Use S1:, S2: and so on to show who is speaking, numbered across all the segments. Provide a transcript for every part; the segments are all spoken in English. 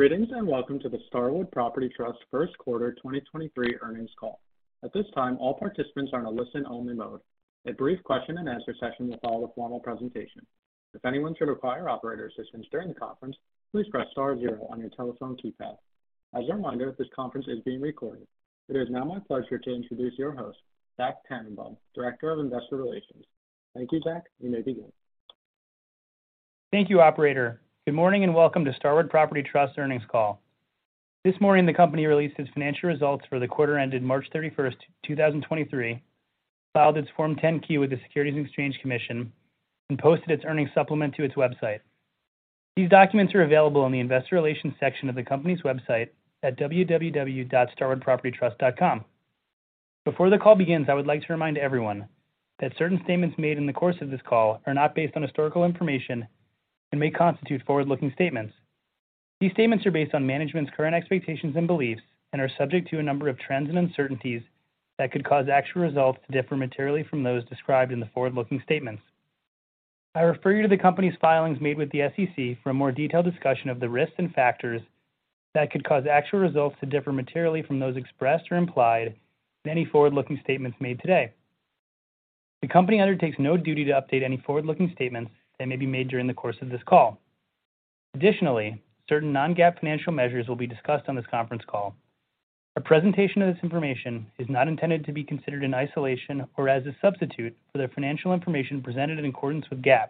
S1: Greetings, and welcome to the Starwood Property Trust First Quarter 2023 Earnings call. At this time, all participants are in a listen-only mode. A brief question-and-answer session will follow the formal presentation. If anyone should require operator assistance during the conference, please press star zero on your telephone keypad. As a reminder, this conference is being recorded. It is now my pleasure to introduce your host, Zach Tanenbaum, Director of Investor Relations. Thank you, Zach. You may begin.
S2: Thank you, operator. Good morning, welcome to Starwood Property Trust earnings call. This morning, the company released its financial results for the quarter ended March 31st, 2023, filed its Form 10-Q with the Securities and Exchange Commission, and posted its earnings supplement to its website. These documents are available on the investor relations section of the company's website at www.starwoodpropertytrust.com. Before the call begins, I would like to remind everyone that certain statements made in the course of this call are not based on historical information and may constitute forward-looking statements. These statements are based on management's current expectations and beliefs and are subject to a number of trends and uncertainties that could cause actual results to differ materially from those described in the forward-looking statements. I refer you to the Company's filings made with the SEC for a more detailed discussion of the risks and factors that could cause actual results to differ materially from those expressed or implied in any forward-looking statements made today. The Company undertakes no duty to update any forward-looking statements that may be made during the course of this call. Additionally, certain non-GAAP financial measures will be discussed on this conference call. A presentation of this information is not intended to be considered in isolation or as a substitute for the financial information presented in accordance with GAAP.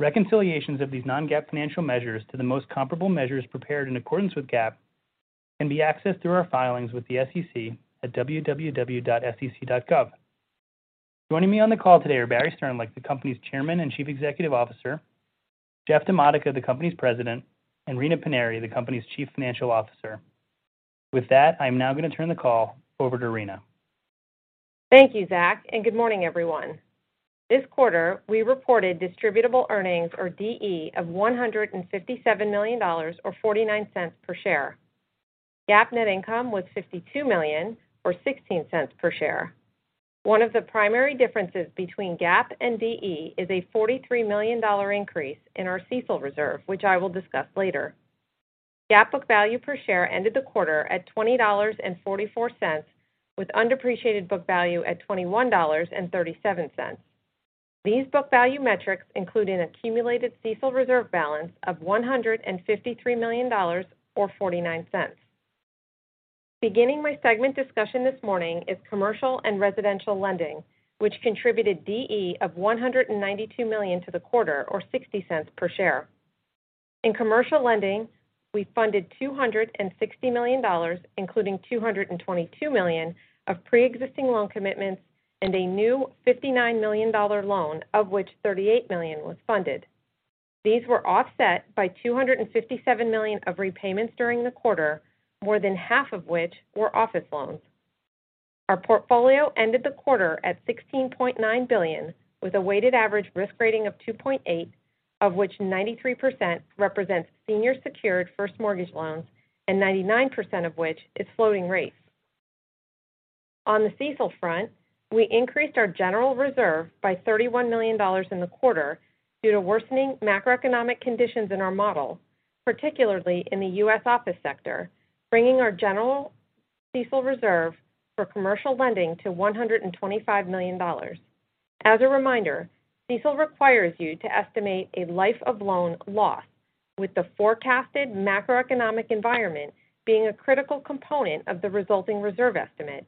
S2: Reconciliations of these non-GAAP financial measures to the most comparable measures prepared in accordance with GAAP can be accessed through our filings with the SEC at www.sec.gov. Joining me on the call today are Barry Sternlicht, the company's Chairman and Chief Executive Officer, Jeffrey DiModica, the company's President, and Rina Paniry, the company's Chief Financial Officer. I'm now going to turn the call over to Rina.
S3: Thank you, Zach. Good morning, everyone. This quarter, we reported distributable earnings or DE of $157 million or $0.49 per share. GAAP net income was $52 million or $0.16 per share. One of the primary differences between GAAP and DE is a $43 million increase in our CECL reserve, which I will discuss later. GAAP book value per share ended the quarter at $20.44, with undepreciated book value at $21.37. These book value metrics include an accumulated CECL reserve balance of $153 million or $0.49. Beginning my segment discussion this morning is commercial and residential lending, which contributed DE of $192 million to the quarter or $0.60 per share. In commercial lending, we funded $260 million, including $222 million of pre-existing loan commitments and a new $59 million loan, of which $38 million was funded. These were offset by $257 million of repayments during the quarter, more than half of which were office loans. Our portfolio ended the quarter at $16.9 billion, with a weighted average risk rating of 2.8, of which 93% represents senior secured first mortgage loans and 99% of which is floating rates. On the CECL front, we increased our general reserve by $31 million in the quarter due to worsening macroeconomic conditions in our model, particularly in the U.S. office sector, bringing our general CECL reserve for commercial lending to $125 million. As a reminder, CECL requires you to estimate a life of loan loss, with the forecasted macroeconomic environment being a critical component of the resulting reserve estimate.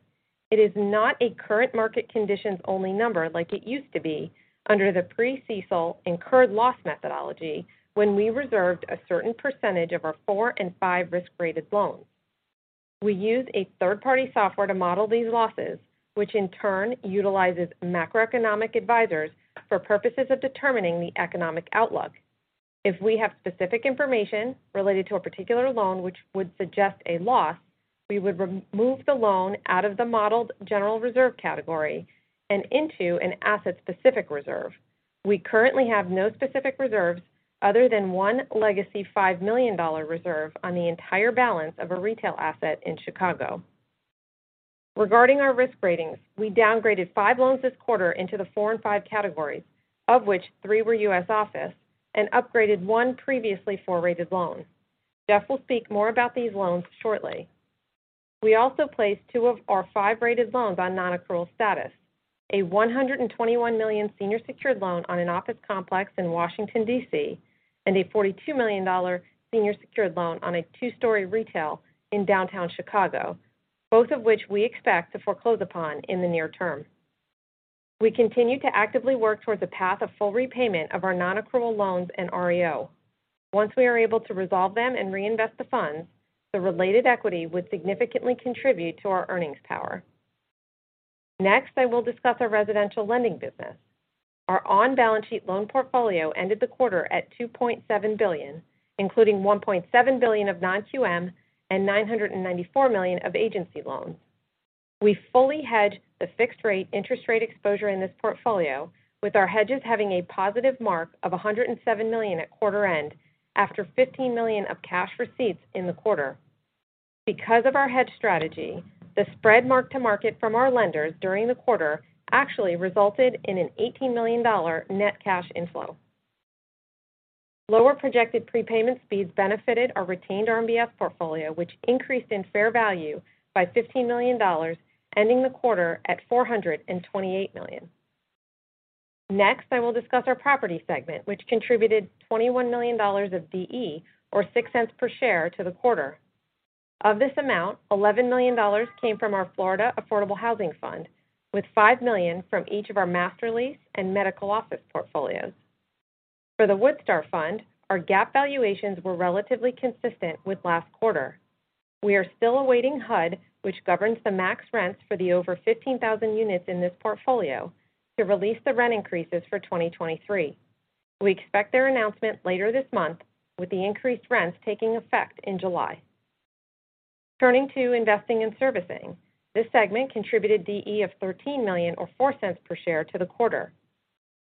S3: It is not a current market conditions only number like it used to be under the pre-CECL incurred loss methodology when we reserved a certain percentage of our four and five risk-rated loans. We use a third-party software to model these losses, which in turn utilizes Macroeconomic Advisers for purposes of determining the economic outlook. If we have specific information related to a particular loan which would suggest a loss, we would remove the loan out of the modeled general reserve category and into an asset-specific reserve. We currently have no specific reserves other than one legacy $5 million reserve on the entire balance of a retail asset in Chicago. Regarding our risk ratings, we downgraded five loans this quarter into the four and five categories, of which three were U.S. office, and upgraded one previously four rated loan. Jeff will speak more about these loans shortly. We also placed two of our five rated loans on non-accrual status, a $121 million senior secured loan on an office complex in Washington, D.C., and a $42 million senior secured loan on a two story retail in downtown Chicago, both of which we expect to foreclose upon in the near term. We continue to actively work towards a path of full repayment of our non-accrual loans and REO. Once we are able to resolve them and reinvest the funds, the related equity would significantly contribute to our earnings power. I will discuss our residential lending business. Our on-balance sheet loan portfolio ended the quarter at $2.7 billion, including $1.7 billion of non-QM and $994 million of agency loans. We fully hedged the fixed rate interest rate exposure in this portfolio, with our hedges having a positive mark of $107 million at quarter end after $15 million of cash receipts in the quarter. Because of our hedge strategy, the spread mark-to-market from our lenders during the quarter actually resulted in an $18 million net cash inflow. Lower projected prepayment speeds benefited our retained RMBS portfolio, which increased in fair value by $15 million, ending the quarter at $428 million. Next, I will discuss our property segment, which contributed $21 million of DE, or $0.06 per share to the quarter. Of this amount, $11 million came from our Florida Affordable Housing Fund, with $5 million from each of our master lease and medical office portfolios. For the Woodstar Fund, our GAAP valuations were relatively consistent with last quarter. We are still awaiting HUD, which governs the max rents for the over 15,000 units in this portfolio to release the rent increases for 2023. We expect their announcement later this month with the increased rents taking effect in July. Turning to investing and servicing, this segment contributed DE of $13 million or $0.04 per share to the quarter.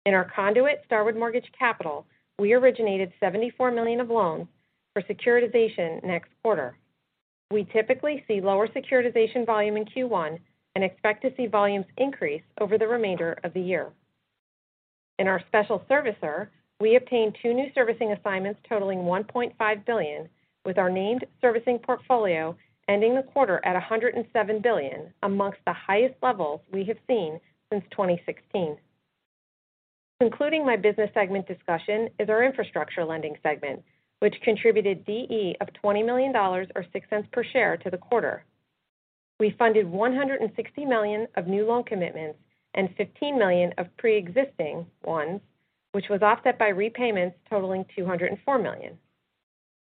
S3: In our conduit, Starwood Mortgage Capital, we originated $74 million of loans for securitization next quarter. We typically see lower securitization volume in Q1 and expect to see volumes increase over the remainder of the year. In our special servicer, we obtained two new servicing assignments totaling $1.5 billion, with our named servicing portfolio ending the quarter at $107 billion amongst the highest levels we have seen since 2016. Concluding my business segment discussion is our infrastructure lending segment, which contributed DE of $20 million or $0.06 per share to the quarter. We funded $160 million of new loan commitments and $15 million of pre-existing ones, which was offset by repayments totaling $204 million.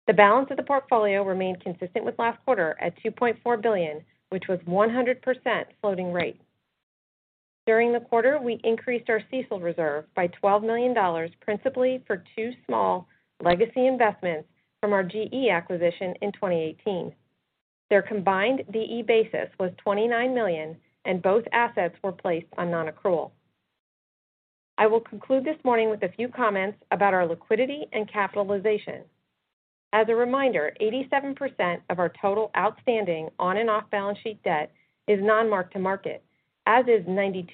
S3: The balance of the portfolio remained consistent with last quarter at $2.4 billion, which was 100% floating rate. During the quarter, we increased our CECL reserve by $12 million, principally for two small legacy investments from our GE acquisition in 2018. Their combined DE basis was $29 million, and both assets were placed on non-accrual. I will conclude this morning with a few comments about our liquidity and capitalization. As a reminder, 87% of our total outstanding on and off-balance sheet debt is non-mark-to-market, as is 92%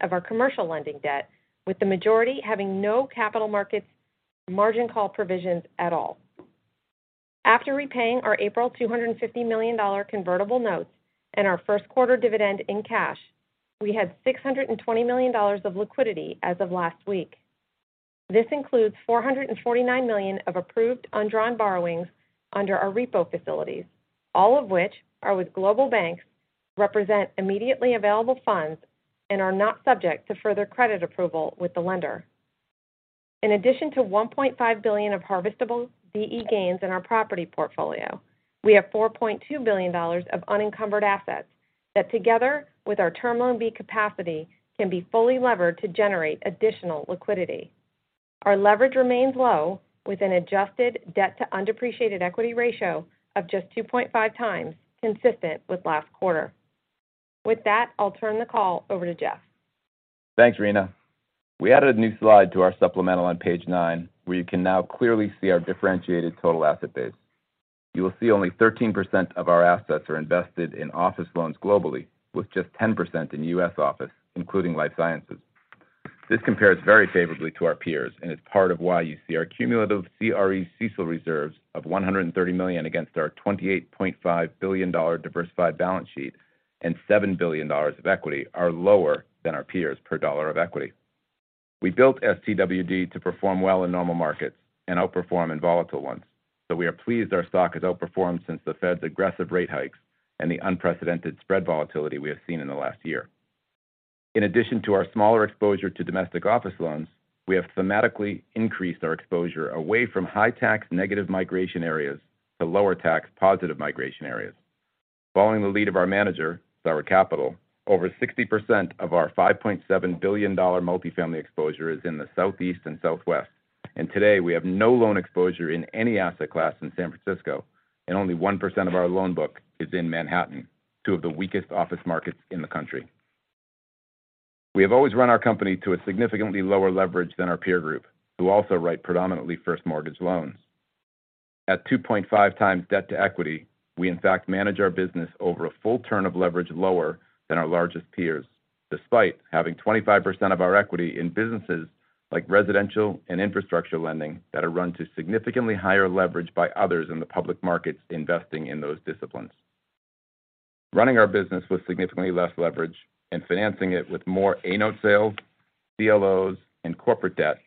S3: of our commercial lending debt, with the majority having no capital markets margin call provisions at all. After repaying our April $250 million convertible notes and our first quarter dividend in cash, we had $620 million of liquidity as of last week. This includes $449 million of approved undrawn borrowings under our repo facilities, all of which are with global banks, represent immediately available funds and are not subject to further credit approval with the lender. In addition to $1.5 billion of harvestable DE gains in our property portfolio, we have $4.2 billion of unencumbered assets that, together with our Term Loan B capacity, can be fully levered to generate additional liquidity. Our leverage remains low, with an adjusted debt-to-undepreciated equity ratio of just 2.5 times consistent with last quarter. With that, I'll turn the call over to Jeff.
S4: Thanks, Rina. We added a new slide to our supplemental on page 9, where you can now clearly see our differentiated total asset base. You will see only 13% of our assets are invested in office loans globally, with just 10% in U.S. office, including life sciences. This compares very favorably to our peers and is part of why you see our cumulative CRE CECL reserves of $130 million against our $28.5 billion diversified balance sheet and $7 billion of equity are lower than our peers per dollar of equity. We built STWD to perform well in normal markets and outperform in volatile ones. We are pleased our stock has outperformed since the Fed's aggressive rate hikes and the unprecedented spread volatility we have seen in the last year. In addition to our smaller exposure to domestic office loans, we have thematically increased our exposure away from high tax negative migration areas to lower tax positive migration areas. Following the lead of our manager, Starwood Capital, over 60% of our $5.7 billion multifamily exposure is in the Southeast and Southwest. Today, we have no loan exposure in any asset class in San Francisco, and only 1% of our loan book is in Manhattan, two of the weakest office markets in the country. We have always run our company to a significantly lower leverage than our peer group, who also write predominantly first mortgage loans. At 2.5 times debt to equity, we in fact manage our business over a full turn of leverage lower than our largest peers, despite having 25% of our equity in businesses like residential and infrastructure lending that are run to significantly higher leverage by others in the public markets investing in those disciplines. Running our business with significantly less leverage and financing it with more A-note sales, CLOs, and corporate debt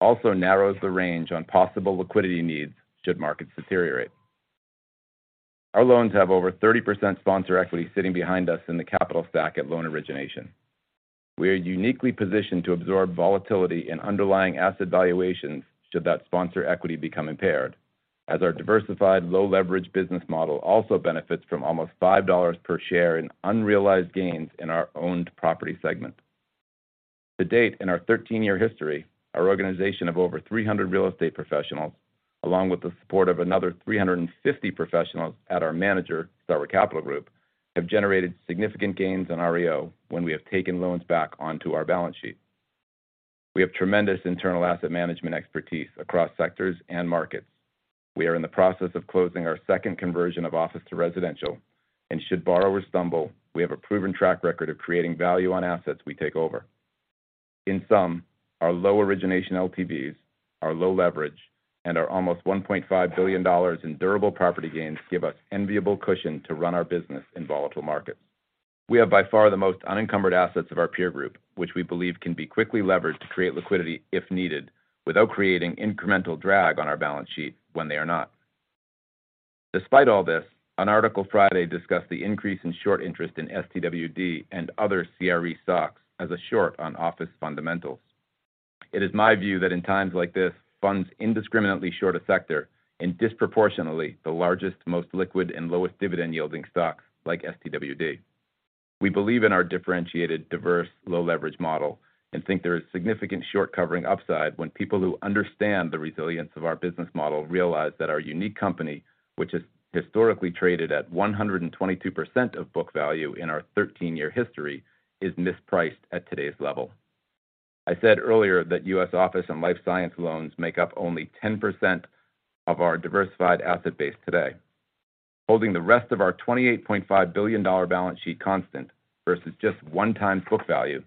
S4: also narrows the range on possible liquidity needs should markets deteriorate. Our loans have over 30% sponsor equity sitting behind us in the capital stack at loan origination. We are uniquely positioned to absorb volatility in underlying asset valuations should that sponsor equity become impaired, as our diversified low leverage business model also benefits from almost $5 per share in unrealized gains in our owned property segment. To date, in our 13 years history, our organization of over 300 real estate professionals, along with the support of another 350 professionals at our manager, Starwood Capital Group, have generated significant gains on REO when we have taken loans back onto our balance sheet. We have tremendous internal asset management expertise across sectors and markets. We are in the process of closing our second conversion of office to residential, and should borrowers stumble, we have a proven track record of creating value on assets we take over. In sum, our low origination LTVs, our low leverage, and our almost $1.5 billion in durable property gains give us enviable cushion to run our business in volatile markets. We have by far the most unencumbered assets of our peer group, which we believe can be quickly leveraged to create liquidity if needed without creating incremental drag on our balance sheet when they are not. Despite all this, an article Friday discussed the increase in short interest in STWD and other CRE stocks as a short on office fundamentals. It is my view that in times like this, funds indiscriminately short a sector and disproportionately the largest, most liquid and lowest dividend yielding stocks like STWD. We believe in our differentiated, diverse, low leverage model and think there is significant short covering upside when people who understand the resilience of our business model realize that our unique company, which has historically traded at 122% of book value in our 13 years history, is mispriced at today's level. I said earlier that US office and life science loans make up only 10% of our diversified asset base today. Holding the rest of our $28.5 billion balance sheet constant versus just 1x book value,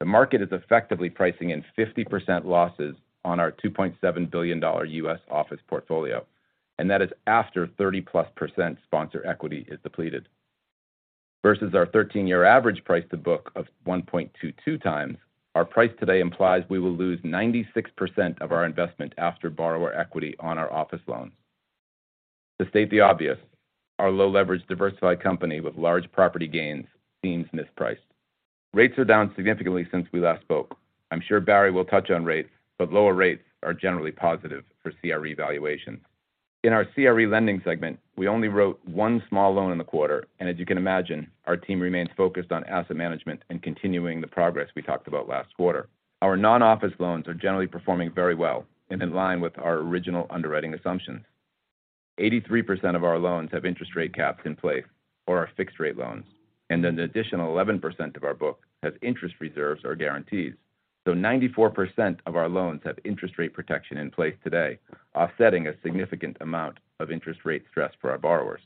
S4: the market is effectively pricing in 50% losses on our $2.7 billion US office portfolio. That is after 30%+ sponsor equity is depleted. Versus our 13 years average price to book of 1.22x, our price today implies we will lose 96% of our investment after borrower equity on our office loans. To state the obvious, our low leverage diversified company with large property gains seems mispriced. Rates are down significantly since we last spoke. I'm sure Barry will touch on rates. Lower rates are generally positive for CRE valuations. In our CRE lending segment, we only wrote one small loan in the quarter, and as you can imagine, our team remains focused on asset management and continuing the progress we talked about last quarter. Our non-office loans are generally performing very well and in line with our original underwriting assumptions. 83% of our loans have interest rate caps in place or are fixed rate loans, and an additional 11% of our book has interest reserves or guarantees. 94% of our loans have interest rate protection in place today, offsetting a significant amount of interest rate stress for our borrowers.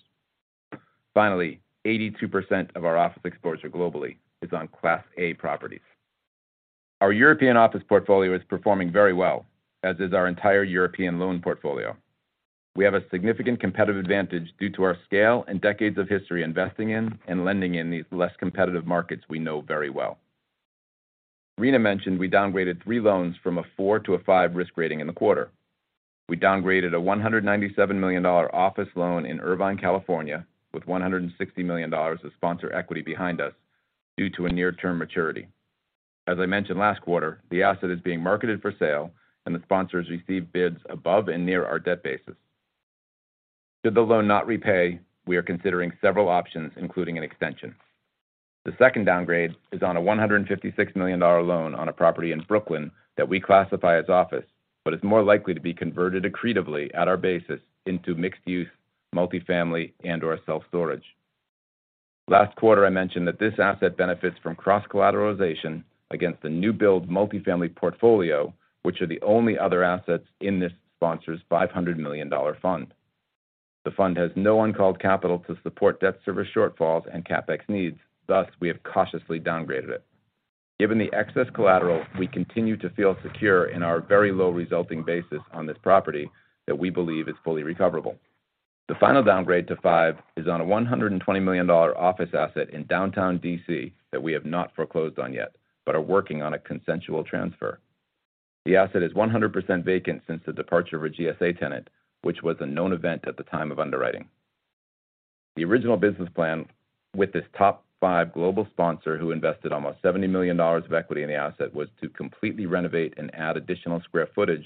S4: Finally, 82% of our office exposure globally is on class A properties. Our European office portfolio is performing very well, as is our entire European loan portfolio. We have a significant competitive advantage due to our scale and decades of history investing in and lending in these less competitive markets we know very well. Rina mentioned we downgraded three loans from a four to a five risk rating in the quarter. We downgraded a $197 million office loan in Irvine, California, with $160 million of sponsor equity behind us due to a near-term maturity. As I mentioned last quarter, the asset is being marketed for sale and the sponsors received bids above and near our debt basis. Should the loan not repay, we are considering several options, including an extension. The second downgrade is on a $156 million loan on a property in Brooklyn that we classify as office, but is more likely to be converted accretively at our basis into mixed-use, multifamily and/or self-storage. Last quarter, I mentioned that this asset benefits from cross-collateralization against the new build multifamily portfolio, which are the only other assets in this sponsor's $500 million fund. The fund has no uncalled capital to support debt service shortfalls and CapEx needs, thus we have cautiously downgraded it. Given the excess collateral, we continue to feel secure in our very low resulting basis on this property that we believe is fully recoverable. The final downgrade to five is on a $120 million office asset in downtown D.C. that we have not foreclosed on yet, but are working on a consensual transfer. The asset is 100% vacant since the departure of a GSA tenant, which was a known event at the time of underwriting. The original business plan with this top five global sponsor who invested almost $70 million of equity in the asset was to completely renovate and add additional square footage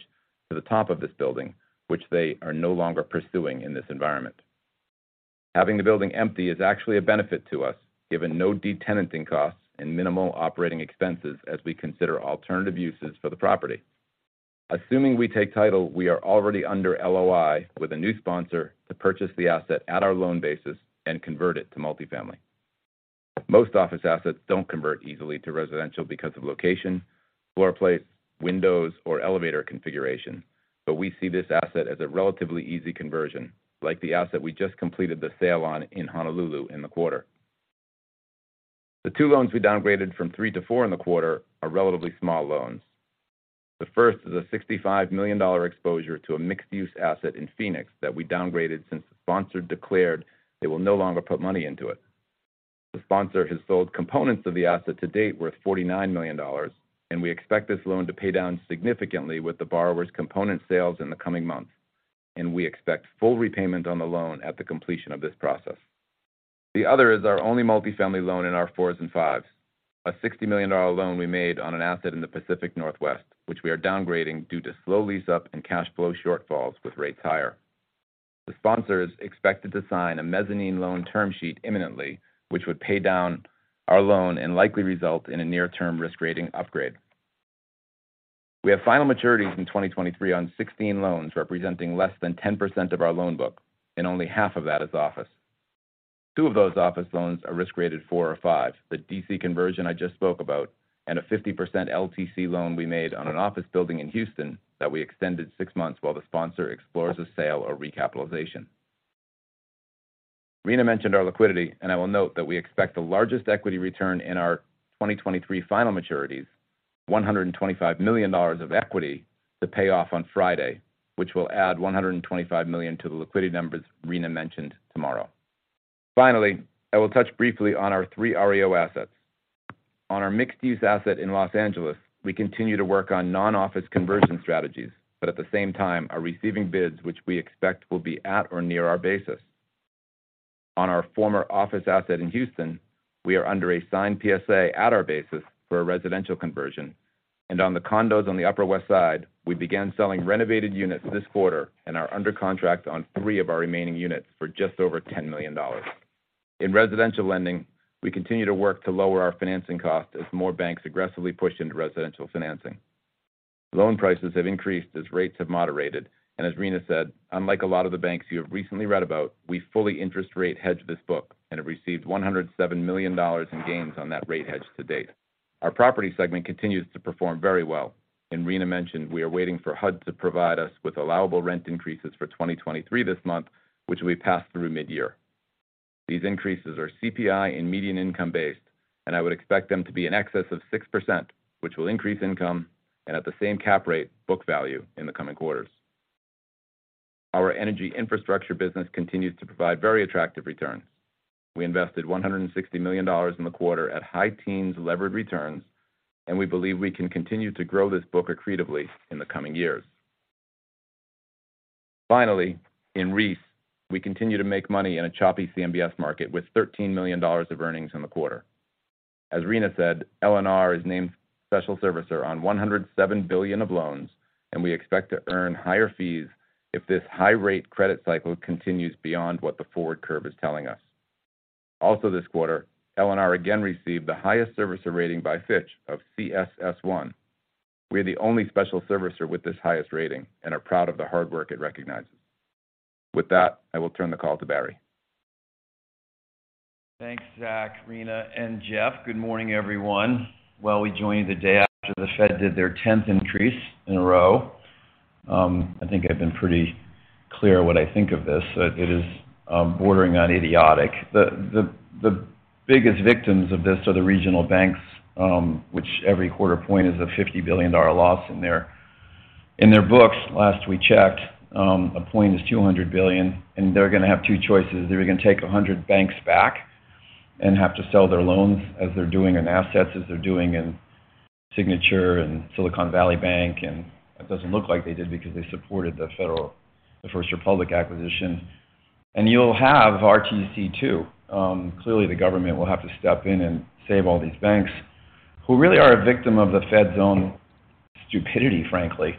S4: to the top of this building, which they are no longer pursuing in this environment. Having the building empty is actually a benefit to us given no de-tenanting costs and minimal operating expenses as we consider alternative uses for the property. Assuming we take title, we are already under LOI with a new sponsor to purchase the asset at our loan basis and convert it to multifamily. Most office assets don't convert easily to residential because of location, floor plate, windows, or elevator configuration, but we see this asset as a relatively easy conversion like the asset we just completed the sale on in Honolulu in the quarter. The two loans we downgraded from three to four in the quarter are relatively small loans. The first is a $65 million exposure to a mixed-use asset in Phoenix that we downgraded since the sponsor declared they will no longer put money into it. The sponsor has sold components of the asset to date worth $49 million, we expect this loan to pay down significantly with the borrower's component sales in the coming months, we expect full repayment on the loan at the completion of this process. The other is our only multifamily loan in our 4s and 5s, a $60 million loan we made on an asset in the Pacific Northwest, which we are downgrading due to slow lease-up and cash flow shortfalls with rates higher. The sponsors expected to sign a mezzanine loan term sheet imminently, which would pay down our loan and likely result in a near-term risk rating upgrade. We have final maturities in 2023 on 16 loans representing less than 10% of our loan book. Only half of that is office. Two of those office loans are risk rated 4 or 5, the D.C. conversion I just spoke about, and a 50% LTC loan we made on an office building in Houston that we extended six months while the sponsor explores a sale or recapitalization. Rina mentioned our liquidity. I will note that we expect the largest equity return in our 2023 final maturities, $125 million of equity to pay off on Friday, which will add $125 million to the liquidity numbers Rina mentioned tomorrow. Finally, I will touch briefly on our three REO assets. On our mixed-use asset in Los Angeles, we continue to work on non-office conversion strategies, at the same time, are receiving bids which we expect will be at or near our basis. On our former office asset in Houston, we are under a signed PSA at our basis for a residential conversion. On the condos on the Upper West Side, we began selling renovated units this quarter and are under contract on three of our remaining units for just over $10 million. In residential lending, we continue to work to lower our financing cost as more banks aggressively push into residential financing. Loan prices have increased as rates have moderated. As Rina said, unlike a lot of the banks you have recently read about, we fully interest rate hedge this book and have received $107 million in gains on that rate hedge to date. Our property segment continues to perform very well. Rina mentioned we are waiting for HUD to provide us with allowable rent increases for 2023 this month, which we pass through mid-year. These increases are CPI and median income-based, I would expect them to be in excess of 6%, which will increase income and at the same cap rate book value in the coming quarters. Our energy infrastructure business continues to provide very attractive returns. We invested $160 million in the quarter at high teens levered returns, we believe we can continue to grow this book accretively in the coming years. Finally, in REIT, we continue to make money in a choppy CMBS market with $13 million of earnings in the quarter. As Rina said, LNR is named special servicer on $107 billion of loans, and we expect to earn higher fees if this high rate credit cycle continues beyond what the forward curve is telling us. Also this quarter, LNR again received the highest servicer rating by Fitch of CSS1. We are the only special servicer with this highest rating and are proud of the hard work it recognizes. With that, I will turn the call to Barry.
S5: Thanks, Zach, Rina, and Jeff. Good morning, everyone. Well, we join you the day after the Fed did their 10th increase in a row. I think I've been pretty clear what I think of this. It is bordering on idiotic. The biggest victims of this are the regional banks, which every quarter point is a $50 billion loss in their books. Last we checked, a point is $200 billion, and they're gonna have two choices. They're either gonna take 100 banks back and have to sell their loans as they're doing, and assets as they're doing in Signature and Silicon Valley Bank. It doesn't look like they did because they supported the First Republic acquisition. You'll have RTC 2. Clearly the government will have to step in and save all these banks who really are a victim of the Fed's own stupidity, frankly.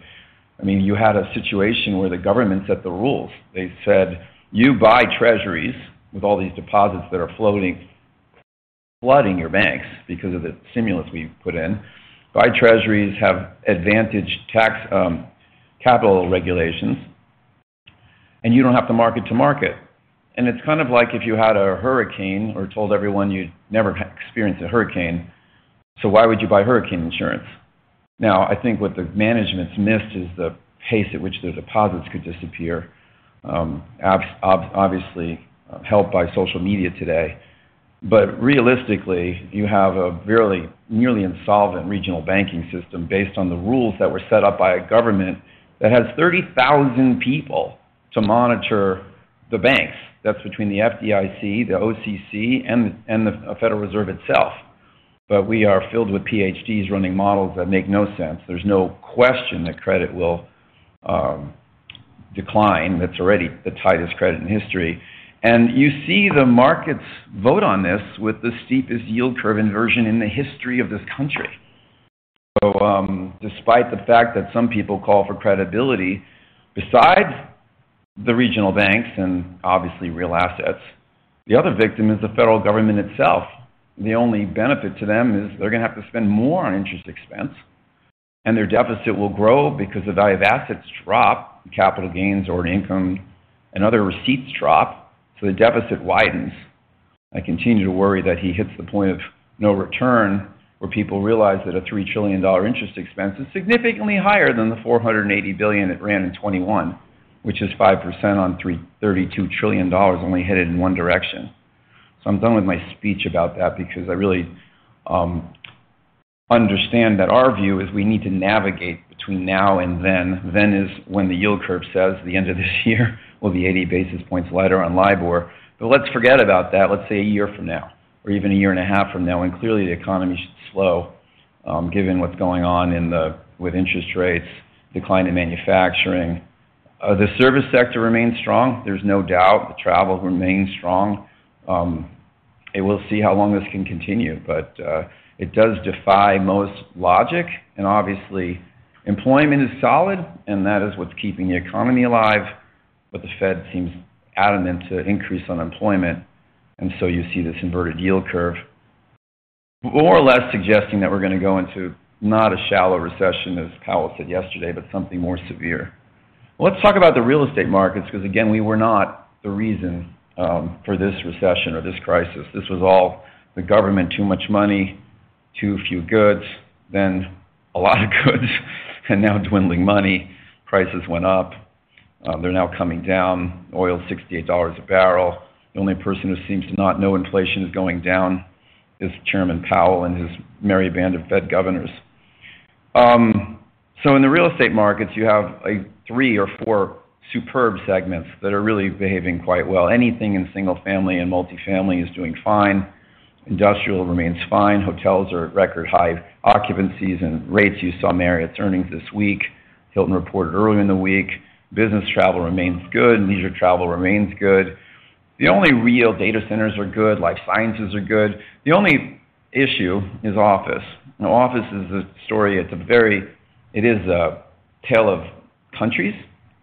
S5: I mean, you had a situation where the government set the rules. They said, "You buy treasuries with all these deposits that are flooding your banks because of the stimulus we've put in. Buy treasuries, have advantage tax, capital regulations, and you don't have to mark-to-market." It's kind of like if you had a hurricane or told everyone you'd never experienced a hurricane. Why would you buy hurricane insurance? I think what the management's missed is the pace at which the deposits could disappear, obviously, helped by social media today. Realistically, you have a verily, nearly insolvent regional banking system based on the rules that were set up by a government that has 30,000 people to monitor the banks. That's between the FDIC, the OCC, and the Federal Reserve itself. We are filled with PhDs running models that make no sense. There's no question that credit will decline. That's already the tightest credit in history. You see the markets vote on this with the steepest yield curve inversion in the history of this country. Despite the fact that some people call for credibility, besides the regional banks and obviously real assets, the other victim is the federal government itself. The only benefit to them is they're gonna have to spend more on interest expense. Their deficit will grow because the value of assets drop, capital gains or income and other receipts drop. The deficit widens. I continue to worry that he hits the point of no return, where people realize that a $3 trillion interest expense is significantly higher than the $480 billion it ran in 2021, which is 5% on $32 trillion only headed in one direction. I'm done with my speech about that because I really understand that our view is we need to navigate between now and then. Is when the yield curve says the end of this year will be 80 basis points lighter on LIBOR. Let's forget about that. Let's say a year from now or even a year and a half from now. Clearly, the economy should slow, given what's going on with interest rates, decline in manufacturing. The service sector remains strong. There's no doubt the travel remains strong. We'll see how long this can continue. It does defy most logic. Obviously, employment is solid, and that is what's keeping the economy alive. The Fed seems adamant to increase unemployment. You see this inverted yield curve. More or less suggesting that we're going to go into not a shallow recession, as Powell said yesterday, but something more severe. Let's talk about the real estate markets, because again, we were not the reason for this recession or this crisis. This was all the government, too much money, too few goods, then a lot of goods, and now dwindling money. Prices went up. They're now coming down. Oil is $68 a barrel. The only person who seems to not know inflation is going down is Chairman Powell and his merry band of Fed governors. In the real estate markets, you have 3 or 4 superb segments that are really behaving quite well. Anything in single-family and multifamily is doing fine. Industrial remains fine. Hotels are at record high occupancies and rates. You saw Marriott's earnings this week. Hilton reported early in the week. Business travel remains good. Leisure travel remains good. The only real data centers are good. Life sciences are good. The only issue is office. Office is a story. It is a tale of countries.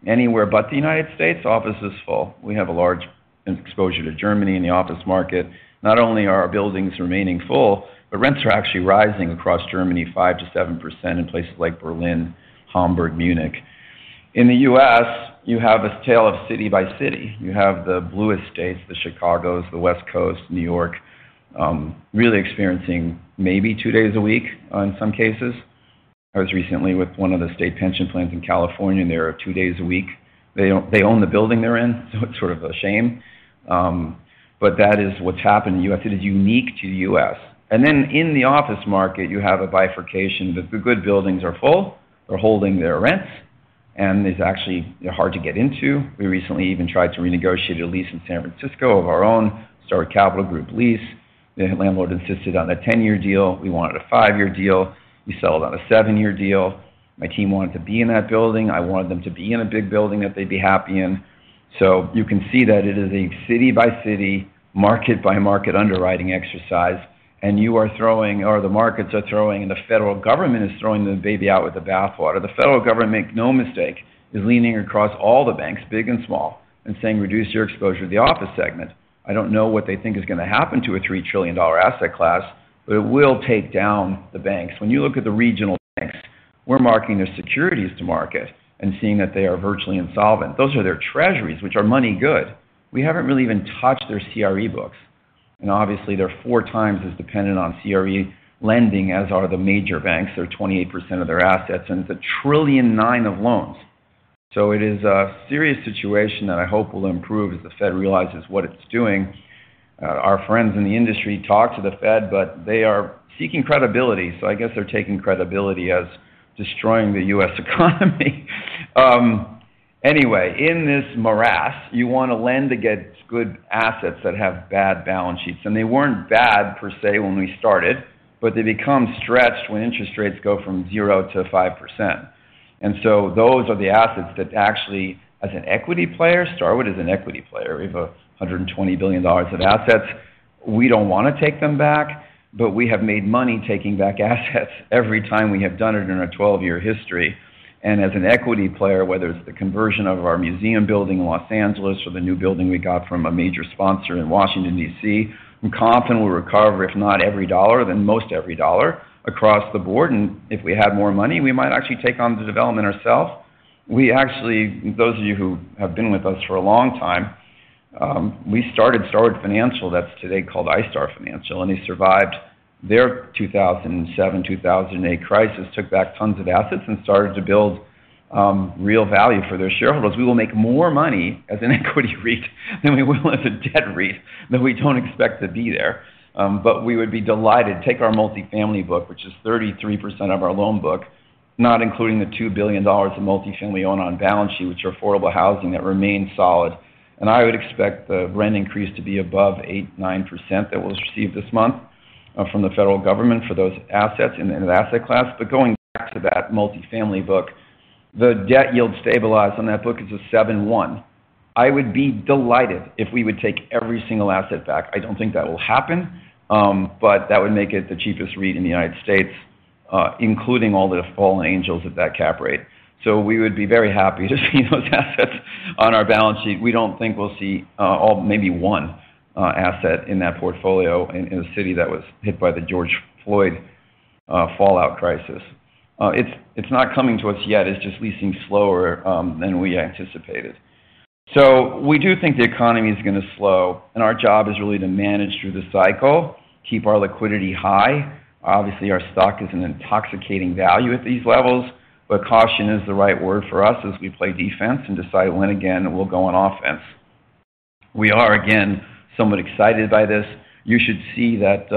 S5: Anywhere but the United States, office is full. We have a large exposure to Germany in the office market. Rents are actually rising across Germany 5%-7% in places like Berlin, Hamburg, Munich. In the U.S., you have a tale of city by city. You have the bluest states, the Chicagos, the West Coast, New York, really experiencing maybe two days a week in some cases. I was recently with one of the state pension plans in California, they are two days a week. They own the building they're in, it's sort of a shame. That is what's happened in the U.S. It is unique to the U.S. In the office market, you have a bifurcation that the good buildings are full. They're holding their rents, and it's actually hard to get into. We recently even tried to renegotiate a lease in San Francisco of our own Starwood Capital Group lease. The landlord insisted on a 10-year deal. We wanted a 5-year deal. We settled on a 7-year deal. My team wanted to be in that building. I wanted them to be in a big building that they'd be happy in. You can see that it is a city-by-city, market-by-market underwriting exercise, and you are throwing, or the markets are throwing, and the federal government is throwing the baby out with the bathwater. The federal government, make no mistake, is leaning across all the banks, big and small, and saying, "Reduce your exposure to the office segment." I don't know what they think is going to happen to a 3 trillion dollar asset class, but it will take down the banks. When you look at the regional banks, we're marking their securities to market and seeing that they are virtually insolvent. Those are their treasuries, which are money good. We haven't really even touched their CRE books. Obviously, they're four times as dependent on CRE lending as are the major banks. They're 28% of their assets, and it's $1.9 trillion of loans. It is a serious situation that I hope will improve as the Fed realizes what it's doing. Our friends in the industry talk to the Fed, but they are seeking credibility, so I guess they're taking credibility as destroying the U.S. economy. Anyway, in this morass, you want to lend against good assets that have bad balance sheets. They weren't bad, per se, when we started, but they become stretched when interest rates go from 0% to 5%. Those are the assets that actually, as an equity player, Starwood is an equity player. We have $120 billion of assets. We don't want to take them back, but we have made money taking back assets every time we have done it in our 12-year history. As an equity player, whether it's the conversion of our museum building in Los Angeles or the new building we got from a major sponsor in Washington, D.C., I'm confident we'll recover, if not every dollar, then most every dollar across the board. If we had more money, we might actually take on the development ourselves. We actually, those of you who have been with us for a long time, we started Starwood Financial. That's today called iStar Financial. They survived their 2007, 2008 crisis, took back tons of assets, and started to build real value for their shareholders. We will make more money as an equity REIT than we will as a debt REIT. We don't expect to be there. We would be delighted. Take our multifamily book, which is 33% of our loan book, not including the $2 billion of multifamily owned on balance sheet, which are affordable housing that remains solid. I would expect the rent increase to be above 8%, 9% that we'll receive this month from the federal government for those assets in an asset class. Going back to that multifamily book, the debt yield stabilized on that book is a 7.1%. I would be delighted if we would take every single asset back. I don't think that will happen, but that would make it the cheapest REIT in the United States, including all the fallen angels at that cap rate. We would be very happy to see those assets on our balance sheet. We don't think we'll see, all, maybe one, asset in that portfolio in a city that was hit by the George Floyd fallout crisis. It's, it's not coming to us yet. It's just leasing slower than we anticipated. We do think the economy is going to slow, and our job is really to manage through the cycle, keep our liquidity high. Obviously, our stock is an intoxicating value at these levels, caution is the right word for us as we play defense and decide when again we'll go on offense. We are, again, somewhat excited by this. You should see that,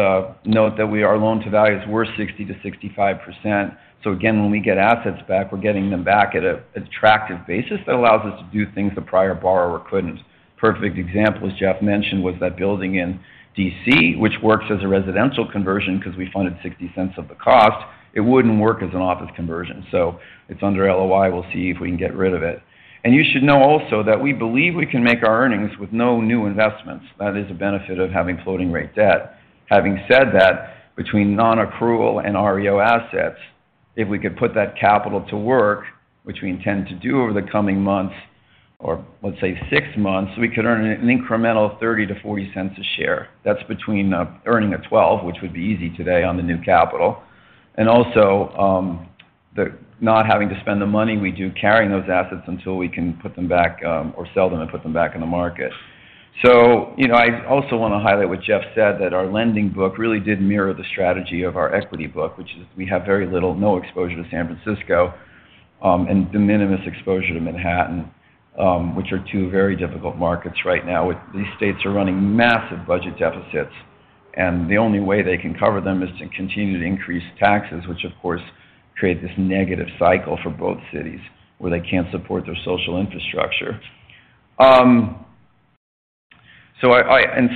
S5: note that we are loan to values. We're 60%-65%. Again, when we get assets back, we're getting them back at an attractive basis that allows us to do things the prior borrower couldn't. Perfect example, as Jeff mentioned, was that building in D.C., which works as a residential conversion because we funded $0.60 of the cost. It wouldn't work as an office conversion. It's under LOI. We'll see if we can get rid of it. You should know also that we believe we can make our earnings with no new investments. That is a benefit of having floating rate debt. Having said that, between non-accrual and REO assets, if we could put that capital to work, which we intend to do over the coming months, or let's say 6 months, we could earn an incremental $0.30-$0.40 a share. That's between earning a 12%, which would be easy today on the new capital, and also, the not having to spend the money we do carrying those assets until we can put them back, or sell them and put them back in the market. You know, I also wanna highlight what Jeff said, that our lending book really did mirror the strategy of our equity book, which is we have very little, no exposure to San Francisco, and de minimis exposure to Manhattan, which are two very difficult markets right now. These states are running massive budget deficits. The only way they can cover them is to continue to increase taxes, which of course, create this negative cycle for both cities where they can't support their social infrastructure. In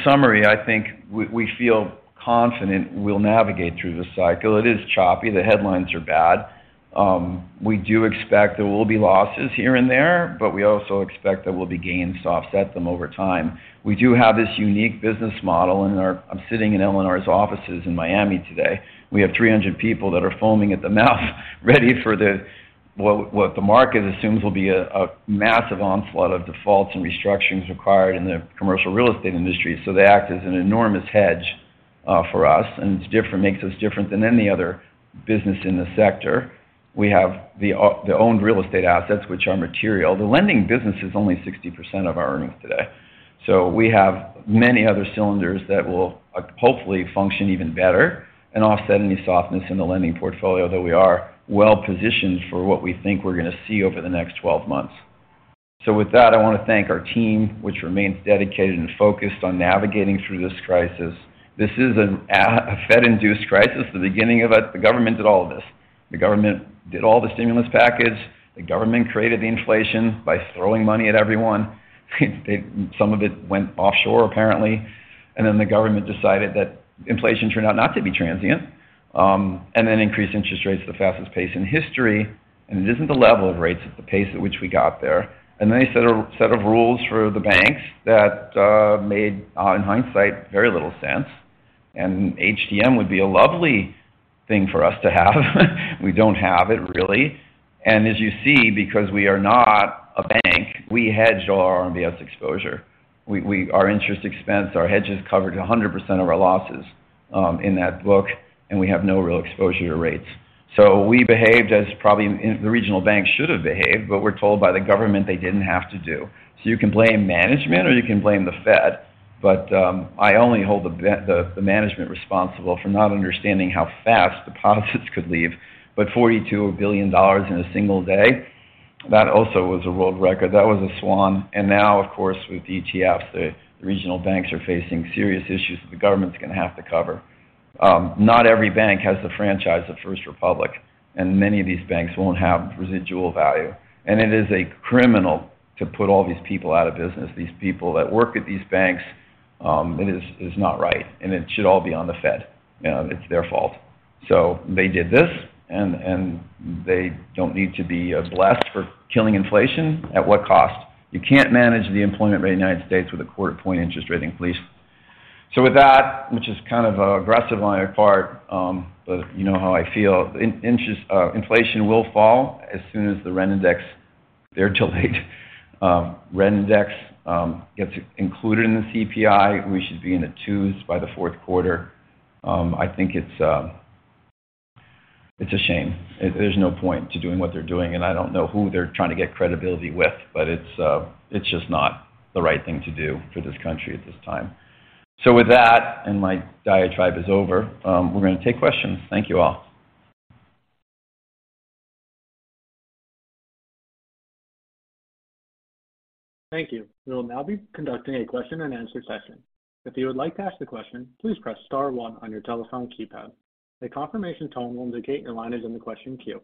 S5: summary, I think we feel confident we'll navigate through this cycle. It is choppy. The headlines are bad. We do expect there will be losses here and there, but we also expect there will be gains to offset them over time. We do have this unique business model, and I'm sitting in LNR's offices in Miami today. We have 300 people that are foaming at the mouth ready for what the market assumes will be a massive onslaught of defaults and restructurings required in the commercial real estate industry. They act as an enormous hedge for us, and it makes us different than any other business in the sector. We have the owned real estate assets, which are material. The lending business is only 60% of our earnings today. We have many other cylinders that will hopefully function even better and offset any softness in the lending portfolio, though we are well-positioned for what we think we're gonna see over the next 12 months. With that, I wanna thank our team, which remains dedicated and focused on navigating through this crisis. This is a Fed-induced crisis. The beginning of it, the government did all of this. The government did all the stimulus package. The government created the inflation by throwing money at everyone. Some of it went offshore, apparently. The government decided that inflation turned out not to be transient, increased interest rates at the fastest pace in history. It isn't the level of rates, it's the pace at which we got there. A set of rules for the banks that made in hindsight, very little sense. HTM would be a lovely thing for us to have. We don't have it, really. As you see, because we are not a bank, we hedged all our RMBS exposure. Our interest expense, our hedges covered 100% of our losses in that book, and we have no real exposure to rates. We behaved as probably the regional bank should have behaved, but we're told by the government they didn't have to do. You can blame management or you can blame the Fed, but I only hold the management responsible for not understanding how fast deposits could leave. $42 billion in a single day, that also was a world record. That was a swan. Now, of course, with ETFs, the regional banks are facing serious issues that the government's gonna have to cover. Not every bank has the franchise of First Republic, and many of these banks won't have residual value. It is a criminal to put all these people out of business, these people that work at these banks, it is, it's not right. It should all be on the Fed. You know, it's their fault. They did this and they don't need to be blessed for killing inflation. At what cost? You can't manage the employment rate in the United States with a quarter point interest rate increase. With that, which is kind of, aggressive on my part, but you know how I feel. inflation will fall as soon as the rent index, they're too late. rent index gets included in the CPI. We should be in the 2s by the fourth quarter. I think it's a shame. There's no point to doing what they're doing, and I don't know who they're trying to get credibility with, but it's just not the right thing to do for this country at this time. With that, and my diatribe is over, we're gonna take questions. Thank you all.
S1: Thank you. We'll now be conducting a question-and-answer session. If you would like to ask the question, please press star one on your telephone keypad. A confirmation tone will indicate your line is in the question queue.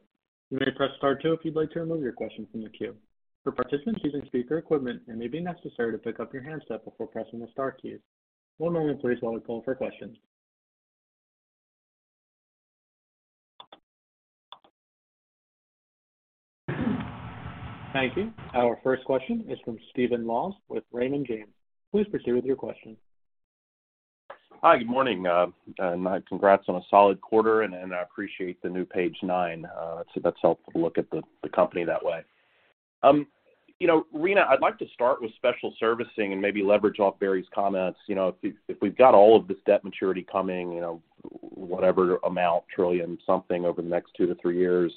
S1: You may press star two if you'd like to remove your question from the queue. For participants using speaker equipment, it may be necessary to pick up your handset before pressing the star key. One moment, please, while we call for questions. Thank you. Our first question is from Steven Moss with Raymond James. Please proceed with your question.
S5: Hi. Good morning, and my congrats on a solid quarter, and I appreciate the new page nine. That's helpful to look at the company that way. You know, Rina, I'd like to start with special servicing and maybe leverage off Barry's comments. You know, if we've got all of this debt maturity coming, you know, whatever amount, trillion something over the next two to three years,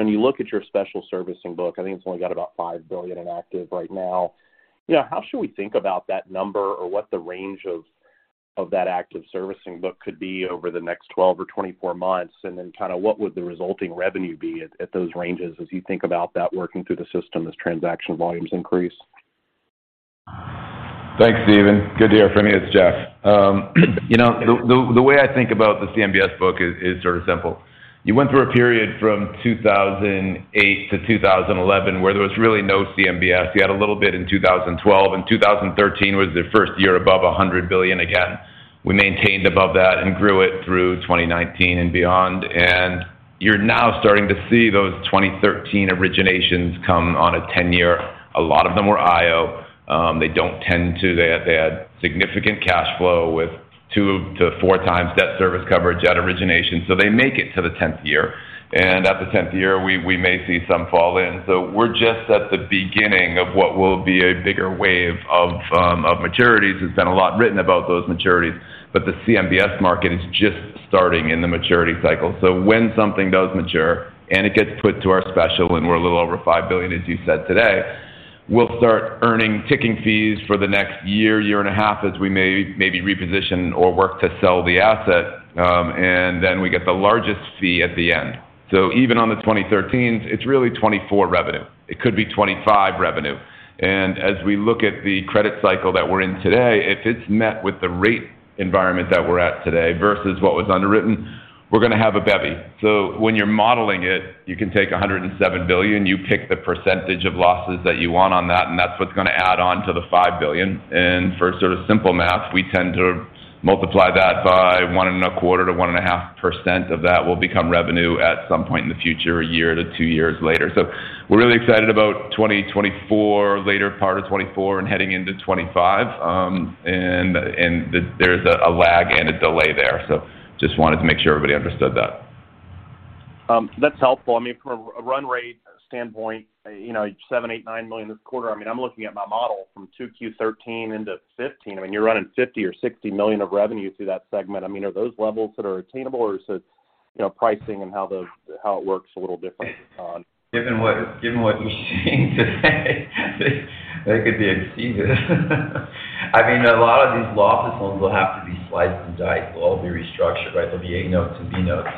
S5: and you look at your special servicing book, I think it's only got about $5 billion in active right now. You know, how should we think about that number or what the range of that active servicing book could be over the next 12 or 24 months? Then kinda what would the resulting revenue be at those ranges as you think about that working through the system as transaction volumes increase? Thanks, Steven. Good to hear from you. It's Jeff. You know, the way I think about the CMBS book is sort of simple. You went through a period from 2008 to 2011 where there was really no CMBS. You had a little bit in 2012, 2013 was the first year above $100 billion again. We maintained above that and grew it through 2019 and beyond. You're now starting to see those 2013 originations come on a 10 years. A lot of them were IO. They had significant cash flow with Two to four times debt service coverage at origination. They make it to the tenth year. At the tenth year, we may see some fall in. We're just at the beginning of what will be a bigger wave of maturities. There's been a lot written about those maturities, the CMBS market is just starting in the maturity cycle. When something does mature and it gets put to our special, and we're a little over $5 billion, as you said today, we'll start earning ticking fees for the next year and a half, as we maybe reposition or work to sell the asset, and then we get the largest fee at the end. Even on the 2013, it's really 2024 revenue. It could be 2025 revenue. As we look at the credit cycle that we're in today, if it's met with the rate environment that we're at today versus what was underwritten, we're gonna have a bevy. When you're modeling it, you can take $107 billion, you pick the percentage of losses that you want on that, and that's what's gonna add on to the $5 billion. For sort of simple math, we tend to multiply that by 1.25% to 1.5% of that will become revenue at some point in the future, one to two years later. We're really excited about 2024, later part of 2024 and heading into 2025, and there's a lag and a delay there. Just wanted to make sure everybody understood that.
S6: That's helpful. I mean, from a run rate standpoint, you know, $7 million, $8 million, $9 million this quarter, I mean, I'm looking at my model from 2Q 2013 into 2015. I mean, you're running $50 million or $60 million of revenue through that segment. I mean, are those levels that are attainable or is it, you know, pricing and how it works a little differently, Barry?
S5: Given what we've seen today, they could be exceeded. I mean, a lot of these office loans will have to be sliced and diced. They'll all be restructured, right? There'll be A-notes and B-notes.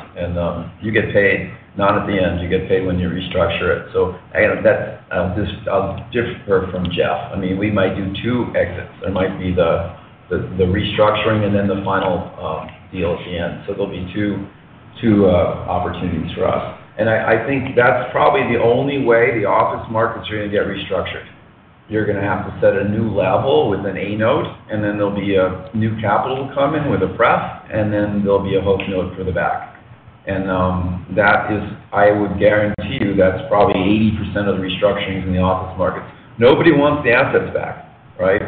S5: You get paid not at the end, you get paid when you restructure it. Again, that's I'll differ from Jeff. I mean, we might do two exits. There might be the restructuring and then the final deal at the end. There'll be two opportunities for us. I think that's probably the only way the office markets are gonna get restructured. You're gonna have to set a new level with an A-note, and then there'll be a new capital come in with a pref, and then there'll be a host note for the back. I would guarantee you that's probably 80% of the restructurings in the office market. Nobody wants the assets back, right?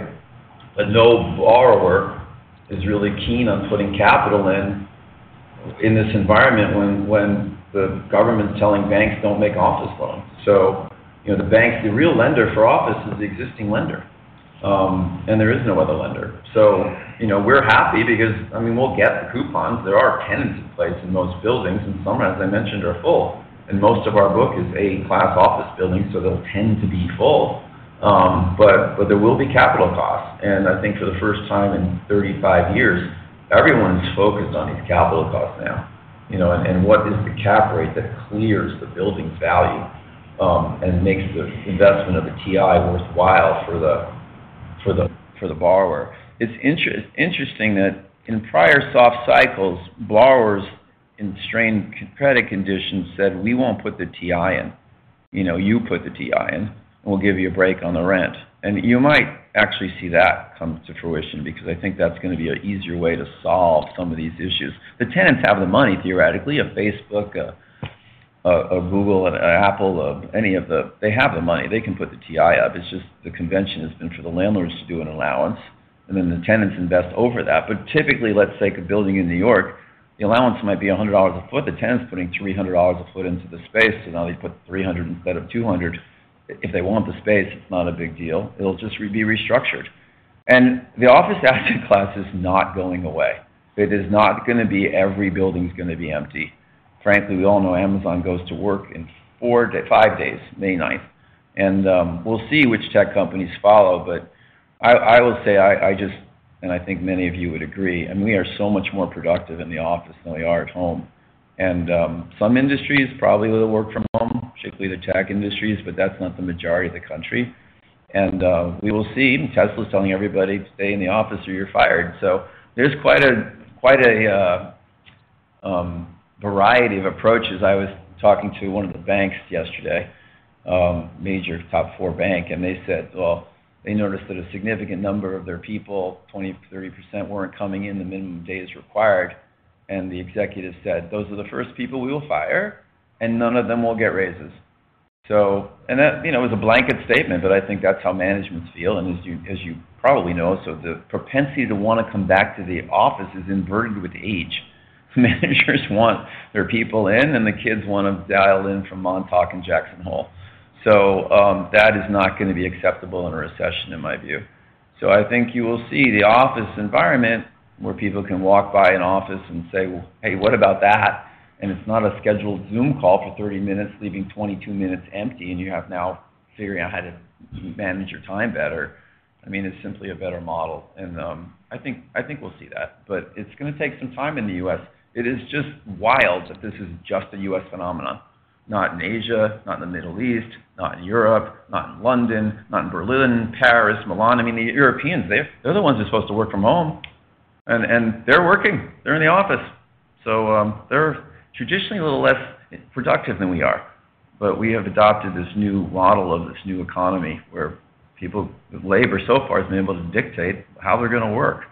S5: No borrower is really keen on putting capital in this environment when the government's telling banks, "Don't make office loans." You know, the bank, the real lender for office is the existing lender. There is no other lender. You know, we're happy because, I mean, we'll get the coupons. There are tenants in place in most buildings, and some, as I mentioned, are full. Most of our book is A class office buildings, so they'll tend to be full. But there will be capital costs. I think for the first time in 35 years, everyone's focused on these capital costs now. You know, and what is the cap rate that clears the building's value and makes the investment of the TI worthwhile for the borrower. It's interesting that in prior soft cycles, borrowers in strained credit conditions said, "We won't put the TI in." You know, "You put the TI in, and we'll give you a break on the rent." You might actually see that come to fruition because I think that's gonna be an easier way to solve some of these issues. The tenants have the money, theoretically. A Facebook, a Google, an Apple, any of they have the money. They can put the TI up. It's just the convention has been for the landlords to do an allowance, and then the tenants invest over that. Typically, let's take a building in New York. The allowance might be $100 a foot. The tenant's putting $300 a foot into the space, so now they put 300 instead of 200. If they want the space, it's not a big deal. It'll just re-be restructured. The office asset class is not going away. It is not gonna be every building's gonna be empty. Frankly, we all know Amazon goes to work in five days, May 9th. We'll see which tech companies follow. I will say I just, and I think many of you would agree, we are so much more productive in the office than we are at home. Some industries probably will work from home, particularly the tech industries, but that's not the majority of the country. We will see. Tesla's telling everybody to stay in the office or you're fired. There's quite a variety of approaches. I was talking to one of the banks yesterday, major top four bank, and they said, well, they noticed that a significant number of their people, 20%-30%, weren't coming in the minimum days required. The executive said, "Those are the first people we will fire, and none of them will get raises." That, you know, it was a blanket statement, but I think that's how managements feel. As you probably know, the propensity to wanna come back to the office is inverted with age. Managers want their people in, and the kids wanna dial in from Montauk and Jackson Hole. That is not gonna be acceptable in a recession, in my view. I think you will see the office environment where people can walk by an office and say, "Hey, what about that?" It's not a scheduled Zoom call for 30 minutes, leaving 22 minutes empty, and you have now figuring out how to manage your time better. I mean, it's simply a better model. I think we'll see that. It's gonna take some time in the U.S. It is just wild that this is just a U.S. phenomenon. Not in Asia, not in the Middle East, not in Europe, not in London, not in Berlin, Paris, Milan. I mean, the Europeans, they're the ones that's supposed to work from home. They're working. They're in the office. They're traditionally a little less productive than we are. We have adopted this new model of this new economy where labor so far has been able to dictate how they're gonna work.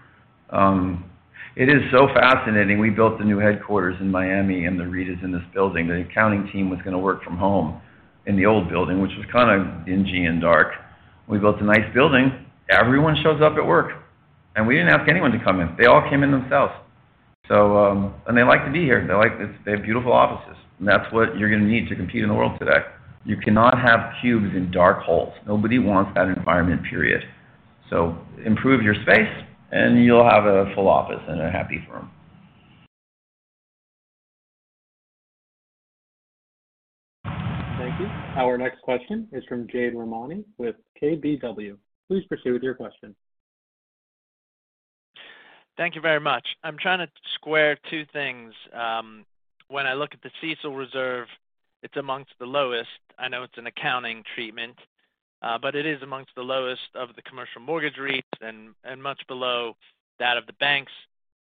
S5: It is so fascinating. We built the new headquarters in Miami, and the reader's in this building. The accounting team was gonna work from home in the old building, which was kind of dingy and dark. We built a nice building. Everyone shows up at work, and we didn't ask anyone to come in. They all came in themselves. They like to be here. They have beautiful offices. That's what you're gonna need to compete in the world today. You cannot have cubes in dark holes. Nobody wants that environment, period. Improve your space and you'll have a full office and a happy firm.
S1: Thank you. Our next question is from Jade Rahmani with KBW. Please proceed with your question.
S7: Thank you very much. I'm trying to square two things. When I look at the CECL reserve, it's amongst the lowest. I know it's an accounting treatment, but it is amongst the lowest of the commercial mortgage REITs and much below that of the banks.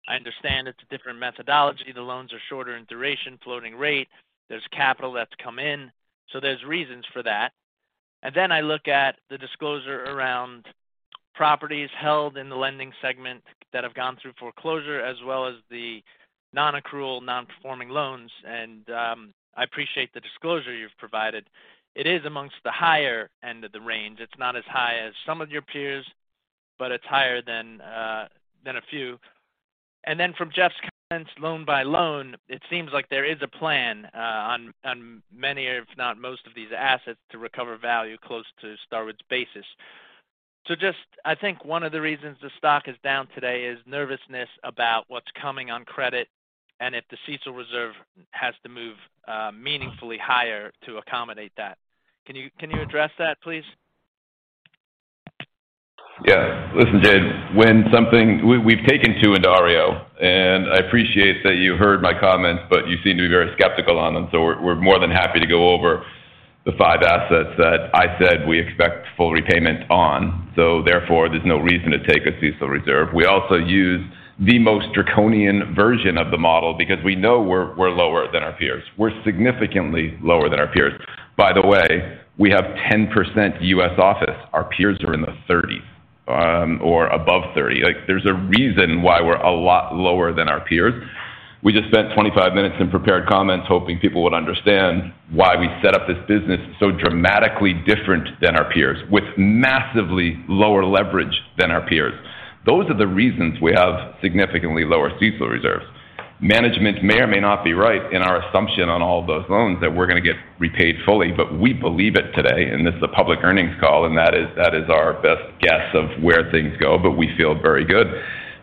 S7: I understand it's a different methodology. The loans are shorter in duration, floating rate. There's capital that's come in, so there's reasons for that. Then I look at the disclosure around properties held in the lending segment that have gone through foreclosure, as well as the non-accrual, non-performing loans. I appreciate the disclosure you've provided. It is amongst the higher end of the range. It's not as high as some of your peers, but it's higher than a few. From Jeff's comments, loan by loan, it seems like there is a plan, on many, if not most, of these assets to recover value close to Starwood's basis. Just I think one of the reasons the stock is down today is nervousness about what's coming on credit and if the CECL reserve has to move, meaningfully higher to accommodate that. Can you address that, please?
S4: Yeah. Listen, Jade, when something We've taken two into REO, I appreciate that you heard my comments, you seem to be very skeptical on them, we're more than happy to go over the five assets that I said we expect full repayment on. Therefore, there's no reason to take a CECL reserve. We also use the most draconian version of the model because we know we're lower than our peers. We're significantly lower than our peers. By the way, we have 10% U.S. office. Our peers are in the 30s or above 30. Like, there's a reason why we're a lot lower than our peers. We just spent 25 minutes in prepared comments hoping people would understand why we set up this business so dramatically different than our peers, with massively lower leverage than our peers. Those are the reasons we have significantly lower CECL reserves. Management may or may not be right in our assumption on all of those loans that we're gonna get repaid fully, but we believe it today, and this is a public earnings call, and that is our best guess of where things go. We feel very good.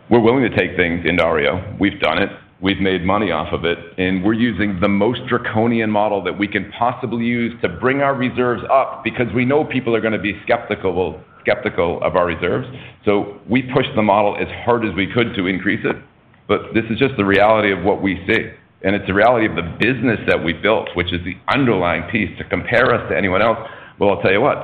S4: We're willing to take things into REO. We've done it. We've made money off of it. We're using the most draconian model that we can possibly use to bring our reserves up because we know people are gonna be skeptical of our reserves. We pushed the model as hard as we could to increase it. This is just the reality of what we see, and it's a reality of the business that we built, which is the underlying piece to compare us to anyone else. Well, I'll tell you what.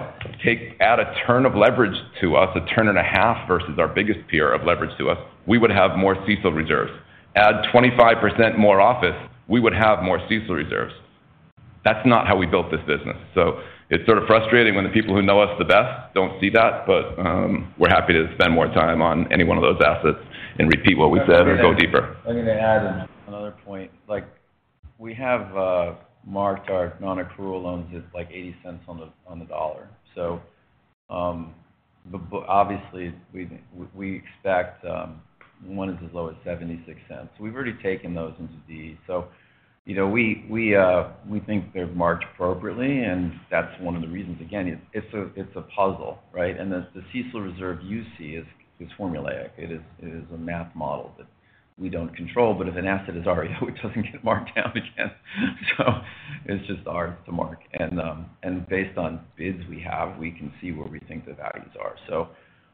S4: Add a turn of leverage to us, a turn and a half versus our biggest peer of leverage to us, we would have more CECL reserves. Add 25% more office, we would have more CECL reserves. That's not how we built this business. It's sort of frustrating when the people who know us the best don't see that. We're happy to spend more time on any one of those assets and repeat what we've said or go deeper.
S5: Let me add another point. Like we have marked our non-accrual loans at, like, $0.80 on the dollar. But obviously we expect. One is as low as $0.76. We've already taken those into DE. You know, we think they're marked appropriately, and that's one of the reasons. Again, it's a, it's a puzzle, right? The CECL reserve you see is formulaic. It is, it is a math model that we don't control. If an asset is REO, it doesn't get marked down again. It's just ours to mark. Based on bids we have, we can see where we think the values are.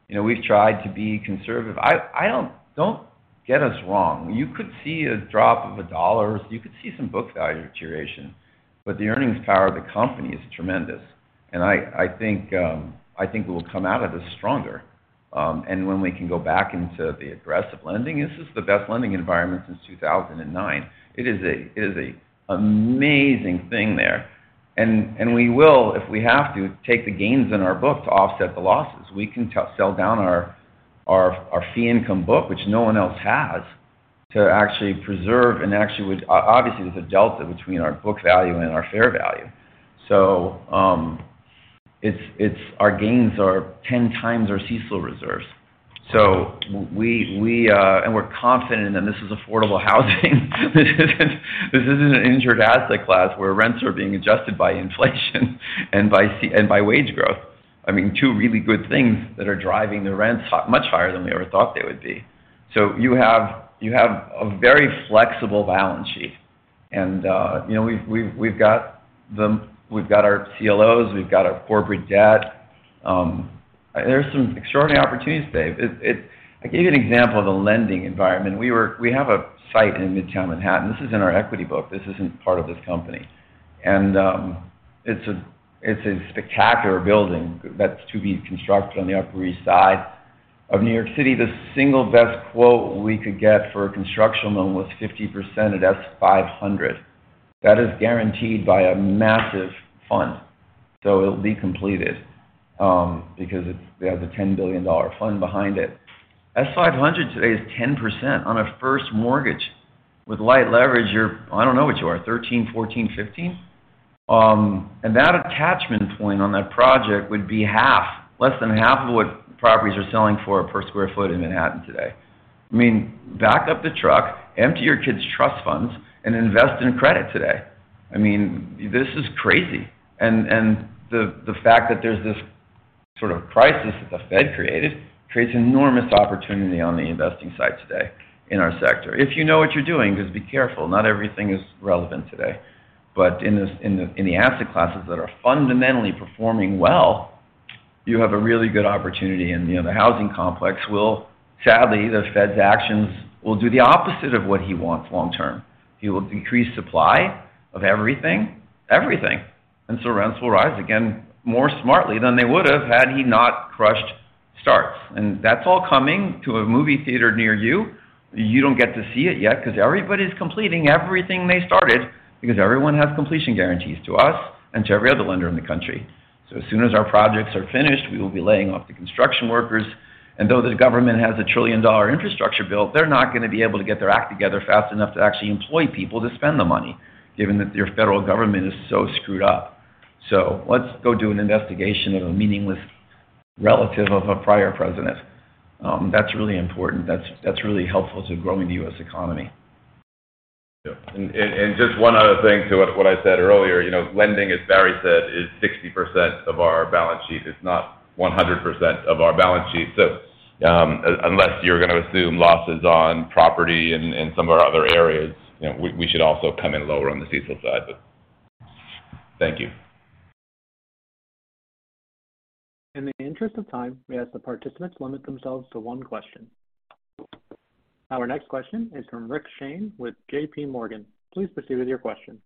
S5: You know, we've tried to be conservative. I don't get us wrong. You could see a drop of $1. You could see some book value deterioration. The earnings power of the company is tremendous. I think we'll come out of this stronger. When we can go back into the aggressive lending, this is the best lending environment since 2009. It is an amazing thing there. We will, if we have to, take the gains in our book to offset the losses. We can sell down our fee income book, which no one else has, to actually preserve and actually with. Obviously, there's a delta between our book value and our fair value. It's our gains are 10 times our CECL reserves. We're confident. This is affordable housing. This isn't an injured asset class where rents are being adjusted by inflation and by wage growth. I mean, two really good things that are driving the rents much higher than we ever thought they would be. You have a very flexible balance sheet. you know, we've got our CLOs, we've got our corporate debt. There's some extraordinary opportunities, Dave. I'll give you an example of the lending environment. We have a site in Midtown Manhattan. This is in our equity book. This isn't part of this company. It's a spectacular building that's to be constructed on the Upper East Side of New York City. The single best quote we could get for a construction loan was 50% at SOFR + 500. That is guaranteed by a massive fund. It'll be completed because they have the $10 billion fund behind it. SOFR + 500 today is 10% on a first mortgage. With light leverage, I don't know what you are, 13, 14, 15. That attachment point on that project would be half, less than half of what properties are selling for per sq ft in Manhattan today. I mean, back up the truck, empty your kids' trust funds, and invest in credit today. I mean, this is crazy. The fact that there's this sort of crisis that the Fed created creates enormous opportunity on the investing side today in our sector. If you know what you're doing, just be careful. Not everything is relevant today. In this, in the, in the asset classes that are fundamentally performing well, you have a really good opportunity. You know, the housing complex. Sadly, the Fed's actions will do the opposite of what he wants long term. He will decrease supply of everything. Rents will rise again more smartly than they would have had he not crushed starts. That's all coming to a movie theater near you. You don't get to see it yet because everybody's completing everything they started because everyone has completion guarantees to us and to every other lender in the country. As soon as our projects are finished, we will be laying off the construction workers. Though the government has a trillion-dollar infrastructure bill, they're not gonna be able to get their act together fast enough to actually employ people to spend the money, given that their federal government is so screwed up. Let's go do an investigation of a meaningless relative of a prior president. That's really important. That's really helpful to growing the U.S. economy.
S4: Yeah. Just one other thing to what I said earlier. You know, lending, as Barry said, is 60% of our balance sheet. It's not 100% of our balance sheet. Unless you're gonna assume losses on property and some of our other areas, you know, we should also come in lower on the CECL side. Thank you.
S1: In the interest of time, we ask the participants limit themselves to one question. Our next question is from Rick Shane with JPMorgan. Please proceed with your question.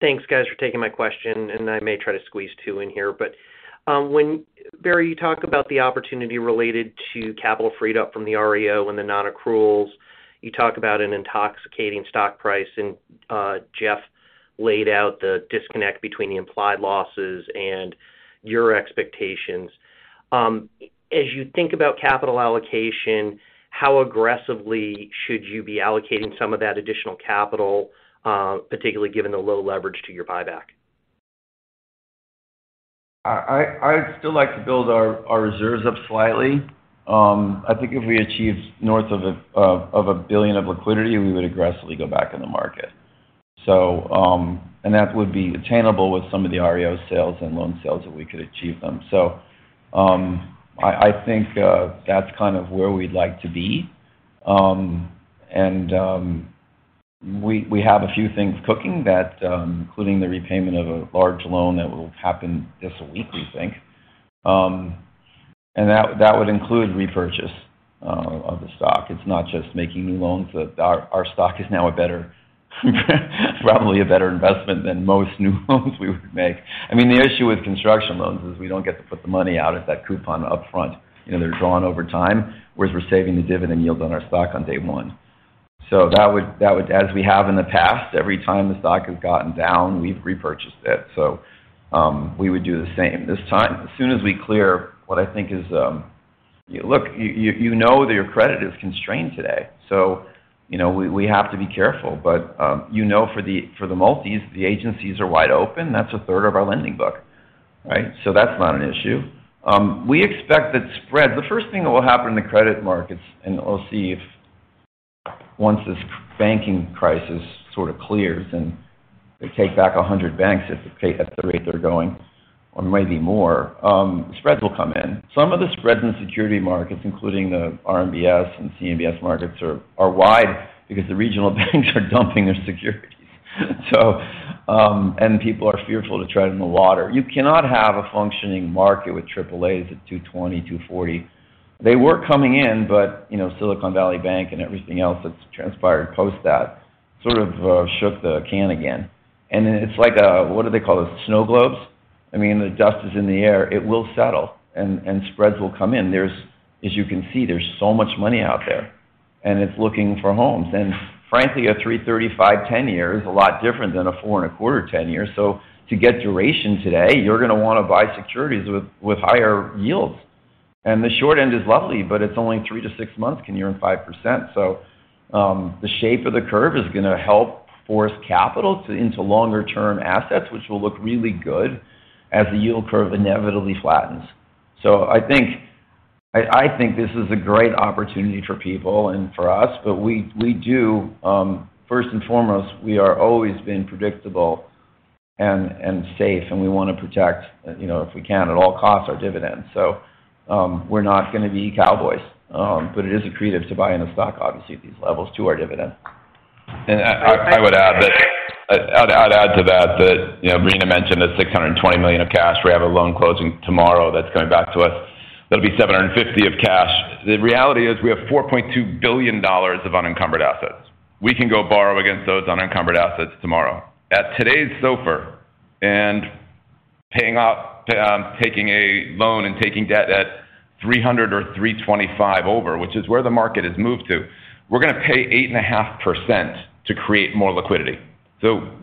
S8: Thanks, guys, for taking my question, and I may try to squeeze two in here. When, Barry, you talk about the opportunity related to capital freed up from the REO and the non-accruals, you talk about an intoxicating stock price, and, Jeff laid out the disconnect between the implied losses and your expectations. As you think about capital allocation, how aggressively should you be allocating some of that additional capital, particularly given the low leverage to your buyback?
S5: I'd still like to build our reserves up slightly. I think if we achieved north of $1 billion of liquidity, we would aggressively go back in the market. That would be attainable with some of the REO sales and loan sales if we could achieve them. I think that's kind of where we'd like to be. And we have a few things cooking that, including the repayment of a large loan that will happen this week, we think. And that would include repurchase of the stock. It's not just making new loans. Our stock is now a better, probably a better investment than most new loans we would make. I mean, the issue with construction loans is we don't get to put the money out at that coupon up front. You know, they're drawn over time, whereas we're saving the dividend yield on our stock on day one. As we have in the past, every time the stock has gotten down, we've repurchased it, we would do the same. This time, as soon as we clear what I think is. Look, you know that your credit is constrained today, we have to be careful. For the multis, the agencies are wide open. That's a third of our lending book, right? That's not an issue. We expect that spread. The first thing that will happen in the credit markets, we'll see if once this banking crisis sort of clears and they take back 100 banks at the rate they're going, or maybe more, spreads will come in. Some of the spreads in security markets, including the RMBS and CMBS markets are wide because the regional banks are dumping their securities. People are fearful to tread in the water. You cannot have a functioning market with AAAs at 220, 240. They were coming in, but, you know, Silicon Valley Bank and everything else that's transpired post that sort of shook the can again. It's like a, what do they call those, snow globes? I mean, the dust is in the air. It will settle, and spreads will come in. There's. As you can see, there's so much money out there, it's looking for homes. Frankly, a 3.35 ten-year is a lot different than a 4.25 ten-year. To get duration today, you're gonna wanna buy securities with higher yields. The short end is lovely, but it's only three to six months can you earn 5%. The shape of the curve is gonna help force capital into longer-term assets, which will look really good as the yield curve inevitably flattens. I think this is a great opportunity for people and for us, but we do, first and foremost, we are always being predictable and safe, and we wanna protect, you know, if we can, at all costs, our dividends. We're not gonna be cowboys. It is accretive to buying the stock, obviously, at these levels to our dividend.
S4: I'd add to that, you know, Rina mentioned the $620 million of cash. We have a loan closing tomorrow that's coming back to us. That'll be $750 of cash. The reality is we have $4.2 billion of unencumbered assets. We can go borrow against those unencumbered assets tomorrow. At today's SOFR and paying off, taking a loan and taking debt at 300 or 325 over, which is where the market has moved to, we're gonna pay 8.5% to create more liquidity.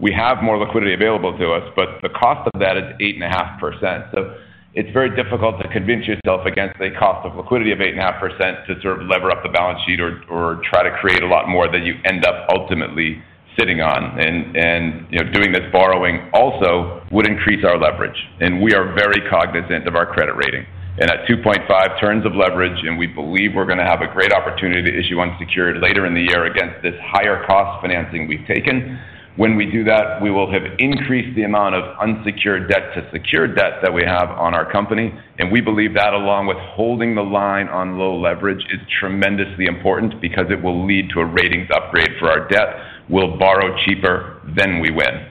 S4: We have more liquidity available to us, but the cost of that is 8.5%. It's very difficult to convince yourself against a cost of liquidity of 8.5% to sort of lever up the balance sheet or try to create a lot more that you end up ultimately sitting on. You know, doing this borrowing also would increase our leverage. We are very cognizant of our credit rating. At 2.5 turns of leverage, and we believe we're gonna have a great opportunity to issue unsecured later in the year against this higher cost financing we've taken. When we do that, we will have increased the amount of unsecured debt to secured debt that we have on our company.
S5: We believe that along with holding the line on low leverage is tremendously important because it will lead to a ratings upgrade for our debt. We'll borrow cheaper, then we win.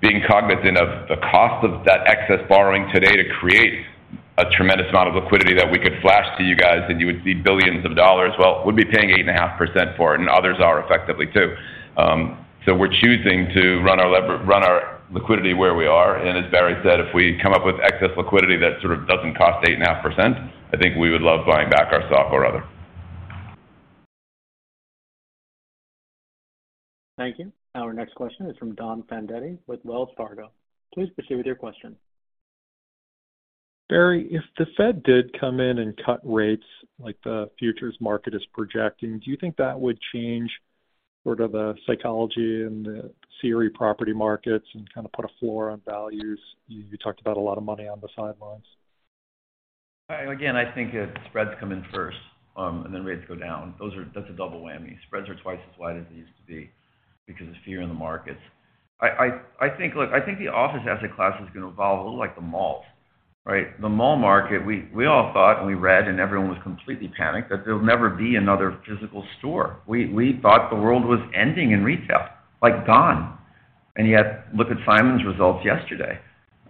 S5: Being cognizant of the cost of that excess borrowing today to create a tremendous amount of liquidity that we could flash to you guys and you would see billions of dollars, well, we'd be paying 8.5% for it, and others are effectively too. We're choosing to run our liquidity where we are. As Barry said, if we come up with excess liquidity that sort of doesn't cost 8.5%, I think we would love buying back our stock or other.
S1: Thank you. Our next question is from Don Fandetti with Wells Fargo. Please proceed with your question.
S9: Barry, if the Fed did come in and cut rates like the futures market is projecting, do you think that would change sort of the psychology in the CRE property markets and kind of put a floor on values? You talked about a lot of money on the sidelines.
S5: I think spreads come in first, and then rates go down. That's a double whammy. Spreads are twice as wide as they used to be because of fear in the markets. I think, look, I think the office asset class is gonna evolve a little like the malls, right? The mall market, we all thought and we read and everyone was completely panicked that there'll never be another physical store. We thought the world was ending in retail, like gone. Yet, look at Simon's results yesterday.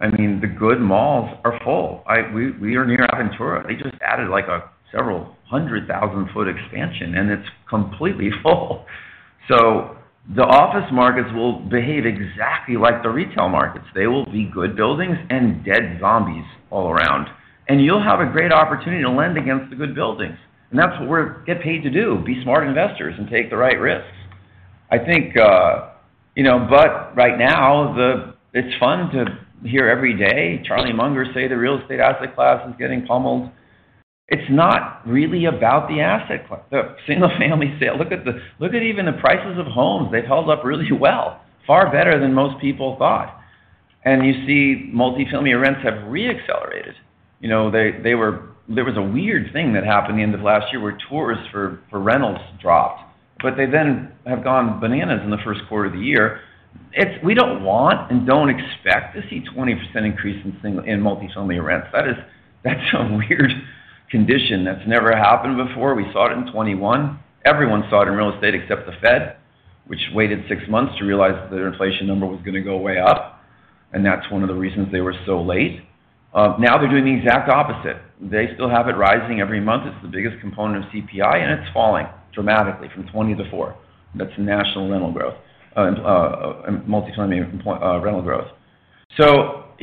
S5: I mean, the good malls are full. We are near Aventura. They just added like a several hundred thousand foot expansion, and it's completely full. The office markets will behave exactly like the retail markets. They will be good buildings and dead zombies all around. You'll have a great opportunity to lend against the good buildings. That's what we're get paid to do, be smart investors and take the right risks. I think, you know, but right now, it's fun to hear every day Charlie Munger say the real estate asset class is getting pummeled. It's not really about the asset class. The single family sale. Look at the prices of homes. They've held up really well, far better than most people thought. You see multifamily rents have re-accelerated. You know, there was a weird thing that happened the end of last year where tours for rentals dropped, but they then have gone bananas in the first quarter of the year. We don't want and don't expect to see 20% increase in multifamily rents. That is, that's some weird condition that's never happened before. We saw it in 21. Everyone saw it in real estate except the Fed, which waited 6 months to realize that their inflation number was gonna go way up, and that's one of the reasons they were so late. Now they're doing the exact opposite. They still have it rising every month. It's the biggest component of CPI, and it's falling dramatically from 20%-4%. That's national rental growth, multifamily rental growth.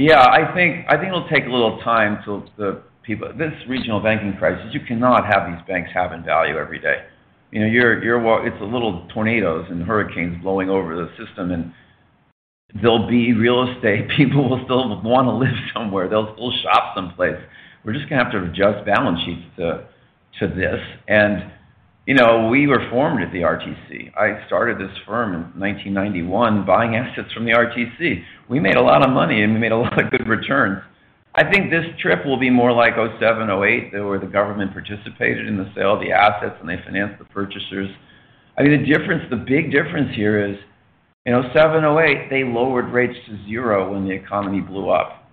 S5: Yeah, I think, I think it'll take a little time till the people... This regional banking crisis, you cannot have these banks have in value every day. You know, you're It's the little tornadoes and hurricanes blowing over the system, and there'll be real estate. People will still wanna live somewhere. They'll still shop someplace. We're just gonna have to adjust balance sheets to this. You know, we were formed at the RTC. I started this firm in 1991 buying assets from the RTC. We made a lot of money, and we made a lot of good returns. I think this trip will be more like 2007, 2008, where the government participated in the sale of the assets and they financed the purchasers. I mean, the difference, the big difference here is in 2007, 2008, they lowered rates to zero when the economy blew up.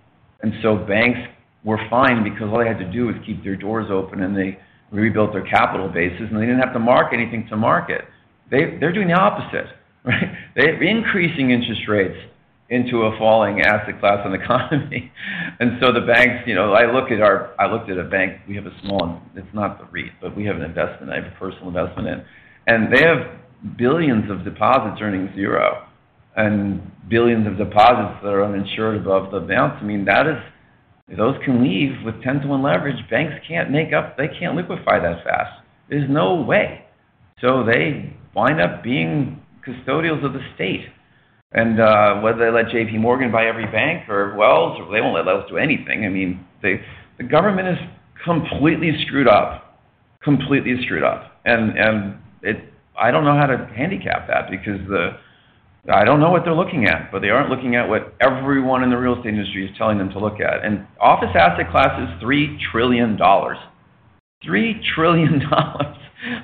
S5: Banks were fine because all they had to do was keep their doors open, and they rebuilt their capital bases, and they didn't have to mark anything to market. They're doing the opposite, right? They're increasing interest rates into a falling asset class and economy. The banks, you know I looked at a bank. We have a small one. It's not the REIT, but we have an investment. I have a personal investment in. They have billions of deposits earning zero and billions of deposits that are uninsured above the amount. I mean, that is. Those can leave with 10-to-1 leverage. Banks can't make up. They can't liquefy that fast. There's no way. They wind up being custodials of the state. Whether they let J.P. Morgan buy every bank or Wells, they won't let us do anything. I mean, the government is completely screwed up. Completely screwed up. I don't know how to handicap that because I don't know what they're looking at, but they aren't looking at what everyone in the real estate industry is telling them to look at. Office asset class is $3 trillion. $3 trillion.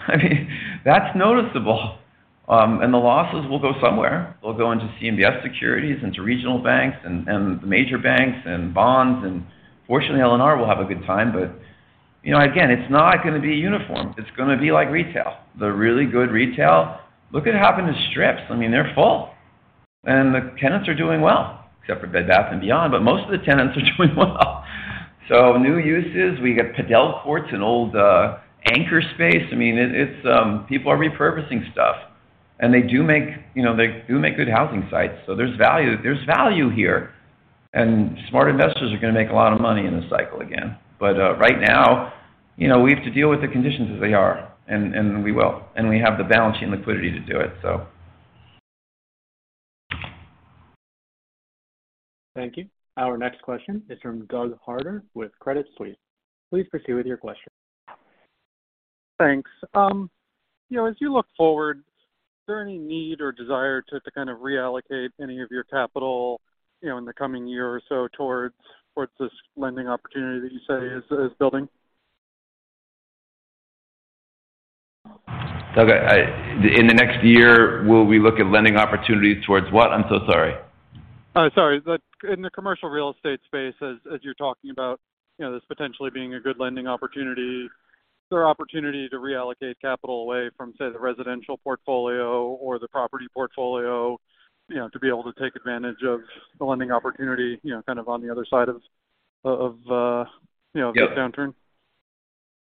S5: I mean, that's noticeable. The losses will go somewhere. They'll go into CMBS securities, into regional banks and the major banks and bonds. Fortunately, LNR will have a good time. You know, again, it's not gonna be uniform. It's gonna be like retail. The really good retail. Look at what happened to strips. I mean, they're full. The tenants are doing well, except for Bed Bath & Beyond, but most of the tenants are doing well. New uses. We got padel courts and old anchor space. I mean, it's People are repurposing stuff. They do make, you know, they do make good housing sites. There's value. There's value here.
S4: Smart investors are going to make a lot of money in this cycle again. Right now, you know, we have to deal with the conditions as they are, and we will. We have the balance sheet and liquidity to do it. So
S1: Thank you. Our next question is from Douglas Harter with Credit Suisse. Please proceed with your question.
S10: Thanks. you know, as you look forward, is there any need or desire to kind of reallocate any of your capital, you know, in the coming year or so towards this lending opportunity that you say is building?
S4: Okay. In the next year, will we look at lending opportunities towards what? I'm so sorry.
S10: Sorry. In the commercial real estate space, as you're talking about, you know, this potentially being a good lending opportunity. Is there opportunity to reallocate capital away from, say, the residential portfolio or the property portfolio, you know, to be able to take advantage of the lending opportunity, you know, kind of on the other side of, you know?
S4: Yeah.
S10: the downturn?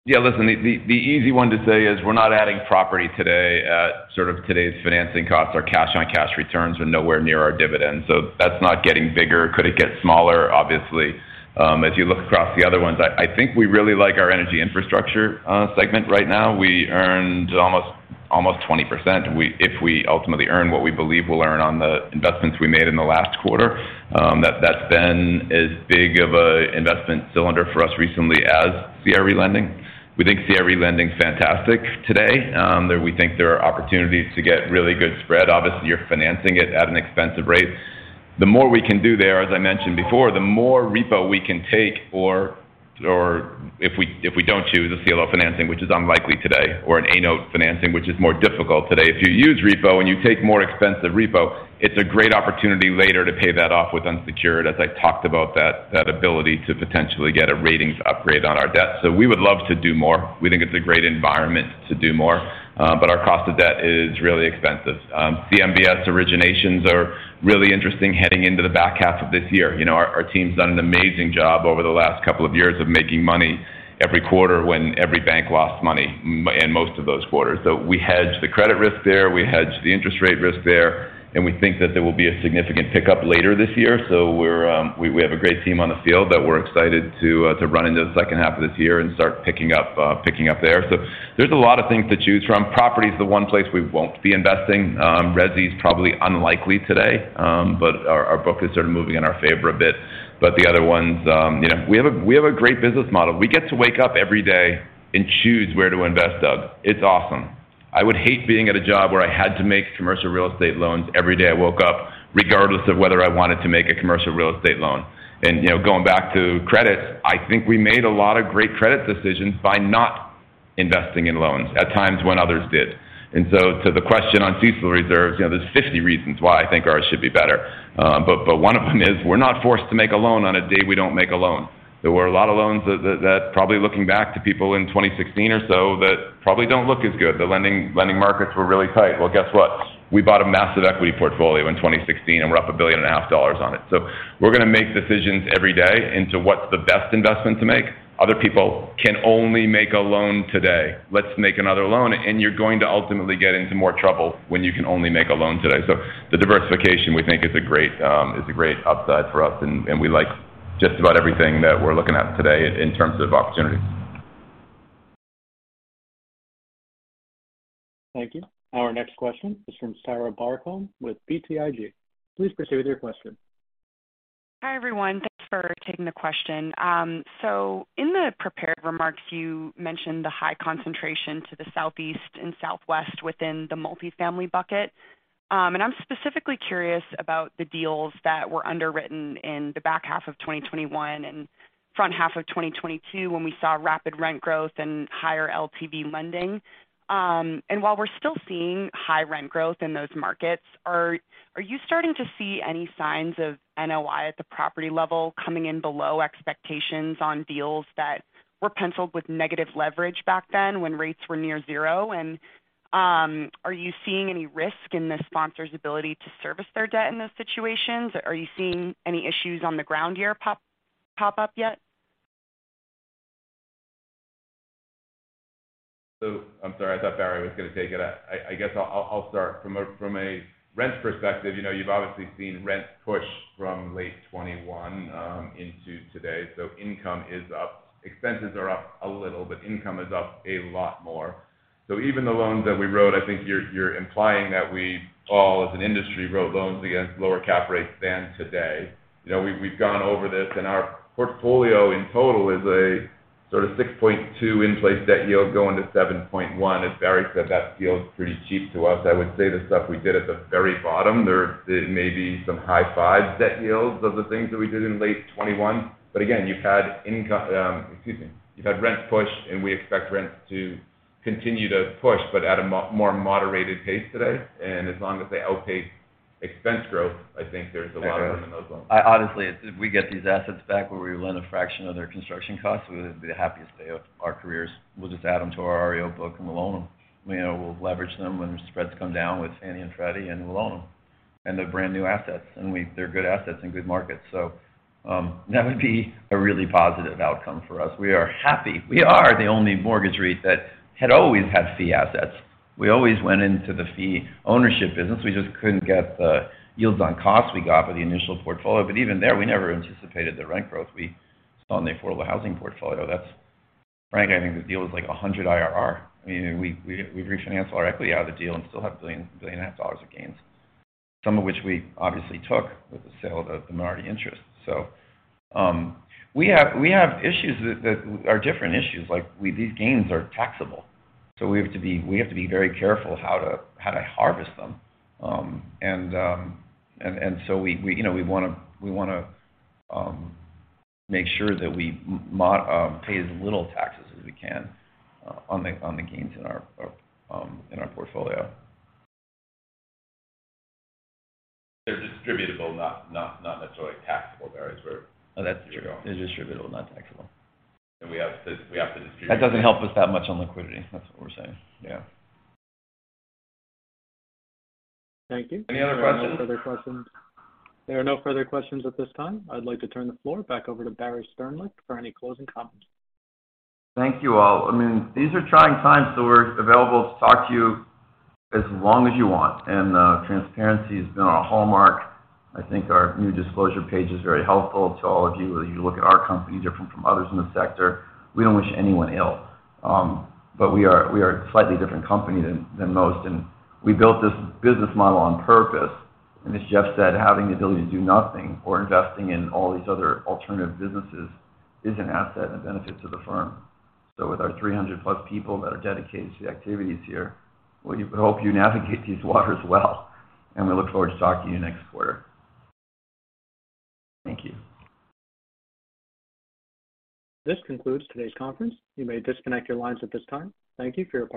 S4: Listen, the easy one to say is we're not adding property today at sort of today's financing costs. Our cash-on-cash returns are nowhere near our dividends. That's not getting bigger. Could it get smaller? Obviously. As you look across the other ones, I think we really like our energy infrastructure segment right now. We earned almost 20%. If we ultimately earn what we believe we'll earn on the investments we made in the last quarter, that's been as big of a investment cylinder for us recently as CRE lending. We think CRE lending's fantastic today. We think there are opportunities to get really good spread. Obviously, you're financing it at an expensive rate. The more we can do there, as I mentioned before, the more repo we can take or if we don't choose a CLO financing, which is unlikely today, or an A-note financing, which is more difficult today. If you use repo and you take more expensive repo, it's a great opportunity later to pay that off with unsecured as I talked about that ability to potentially get a ratings upgrade on our debt. We would love to do more. We think it's a great environment to do more, but our cost of debt is really expensive. CMBS originations are really interesting heading into the back half of this year. You know, our team's done an amazing job over the last couple of years of making money every quarter when every bank lost money in most of those quarters. We hedge the credit risk there, we hedge the interest rate risk there, and we think that there will be a significant pickup later this year. We have a great team on the field that we're excited to run into the second half of this year and start picking up picking up there. There's a lot of things to choose from. Property is the one place we won't be investing. Resi's probably unlikely today, but our book is sort of moving in our favor a bit. The other ones, you know, we have a great business model. We get to wake up every day and choose where to invest, Doug. It's awesome. I would hate being at a job where I had to make commercial real estate loans every day I woke up, regardless of whether I wanted to make a commercial real estate loan. You know, going back to credit, I think we made a lot of great credit decisions by not investing in loans at times when others did. To the question on CECL Reserves, you know, there's 50 reasons why I think ours should be better. But one of them is we're not forced to make a loan on a day we don't make a loan. There were a lot of loans that probably looking back to people in 2016 or so that probably don't look as good. The lending markets were really tight. Guess what? We bought a massive equity portfolio in 2016, and we're up a billion and a half dollars on it. We're gonna make decisions every day into what's the best investment to make. Other people can only make a loan today. Let's make another loan, and you're going to ultimately get into more trouble when you can only make a loan today. The diversification, we think is a great, is a great upside for us, and we like just about everything that we're looking at today in terms of opportunities.
S1: Thank you. Our next question is from Sarah Barcomb with BTIG. Please proceed with your question.
S11: Hi, everyone. Thanks for taking the question. In the prepared remarks, you mentioned the high concentration to the Southeast and Southwest within the multifamily bucket. I'm specifically curious about the deals that were underwritten in the back half of 2021 and front half of 2022 when we saw rapid rent growth and higher LTV lending. While we're still seeing high rent growth in those markets, are you starting to see any signs of NOI at the property level coming in below expectations on deals that were penciled with negative leverage back then when rates were near zero? Are you seeing any risk in the sponsor's ability to service their debt in those situations? Are you seeing any issues on the ground here pop up yet?
S4: I'm sorry. I thought Barry was gonna take it. I guess I'll start. From a rent perspective, you know, you've obviously seen rent push from late 2021 into today. Income is up. Expenses are up a little, but income is up a lot more. Even the loans that we wrote, I think you're implying that we all, as an industry, wrote loans against lower cap rates than today. You know, we've gone over this, and our portfolio in total is a sort of 6.2 in-place debt yield going to 7.1. As Barry said, that feels pretty cheap to us. I would say the stuff we did at the very bottom there, it may be some high 5 debt yields of the things that we did in late 2021. Again, you've had income, excuse me. You've had rents push, and we expect rents to continue to push, but at a more moderated pace today. As long as they outpace expense growth, I think there's a lot of room in those loans. I honestly, if we get these assets back where we lend a fraction of their construction costs, it would be the happiest day of our careers. We'll just add them to our REO book and we'll loan them. You know, we'll leverage them when spreads come down with Fannie and Freddie, and we'll loan them. They're brand-new assets, they're good assets in good markets. That would be a really positive outcome for us. We are happy. We are the only mortgage REIT that had always had C assets
S5: We always went into the fee ownership business. We just couldn't get the yields on costs we got for the initial portfolio. Even there, we never anticipated the rent growth we saw on the affordable housing portfolio. Frank, I think the deal was like 100 IRR. I mean, we refinanced our equity out of the deal and still have a billion and a half dollars of gains, some of which we obviously took with the sale of the minority interest. We have issues that are different issues like these gains are taxable, we have to be very careful how to harvest them. We, you know, we wanna, we wanna, make sure that we pay as little taxes as we can, on the, on the gains in our, in our portfolio. They're distributable, not necessarily taxable, Barry, is where you're going. Oh, that's true. They're distributable, not taxable. We have to distribute- That doesn't help us that much on liquidity. That's what we're saying. Yeah. Any other questions?
S1: There are no further questions at this time. I'd like to turn the floor back over to Barry Sternlicht for any closing comments.
S5: Thank you, all. I mean, these are trying times, so we're available to talk to you as long as you want. Transparency has been our hallmark. I think our new disclosure page is very helpful to all of you. You look at our company different from others in the sector. We don't wish anyone ill, but we are a slightly different company than most, and we built this business model on purpose. As Jeff said, having the ability to do nothing or investing in all these other alternative businesses is an asset and a benefit to the firm. With our 300 plus people that are dedicated to the activities here, we hope you navigate these waters well, and we look forward to talking to you next quarter. Thank you.
S1: This concludes today's conference. You may disconnect your lines at this time. Thank you for your participation.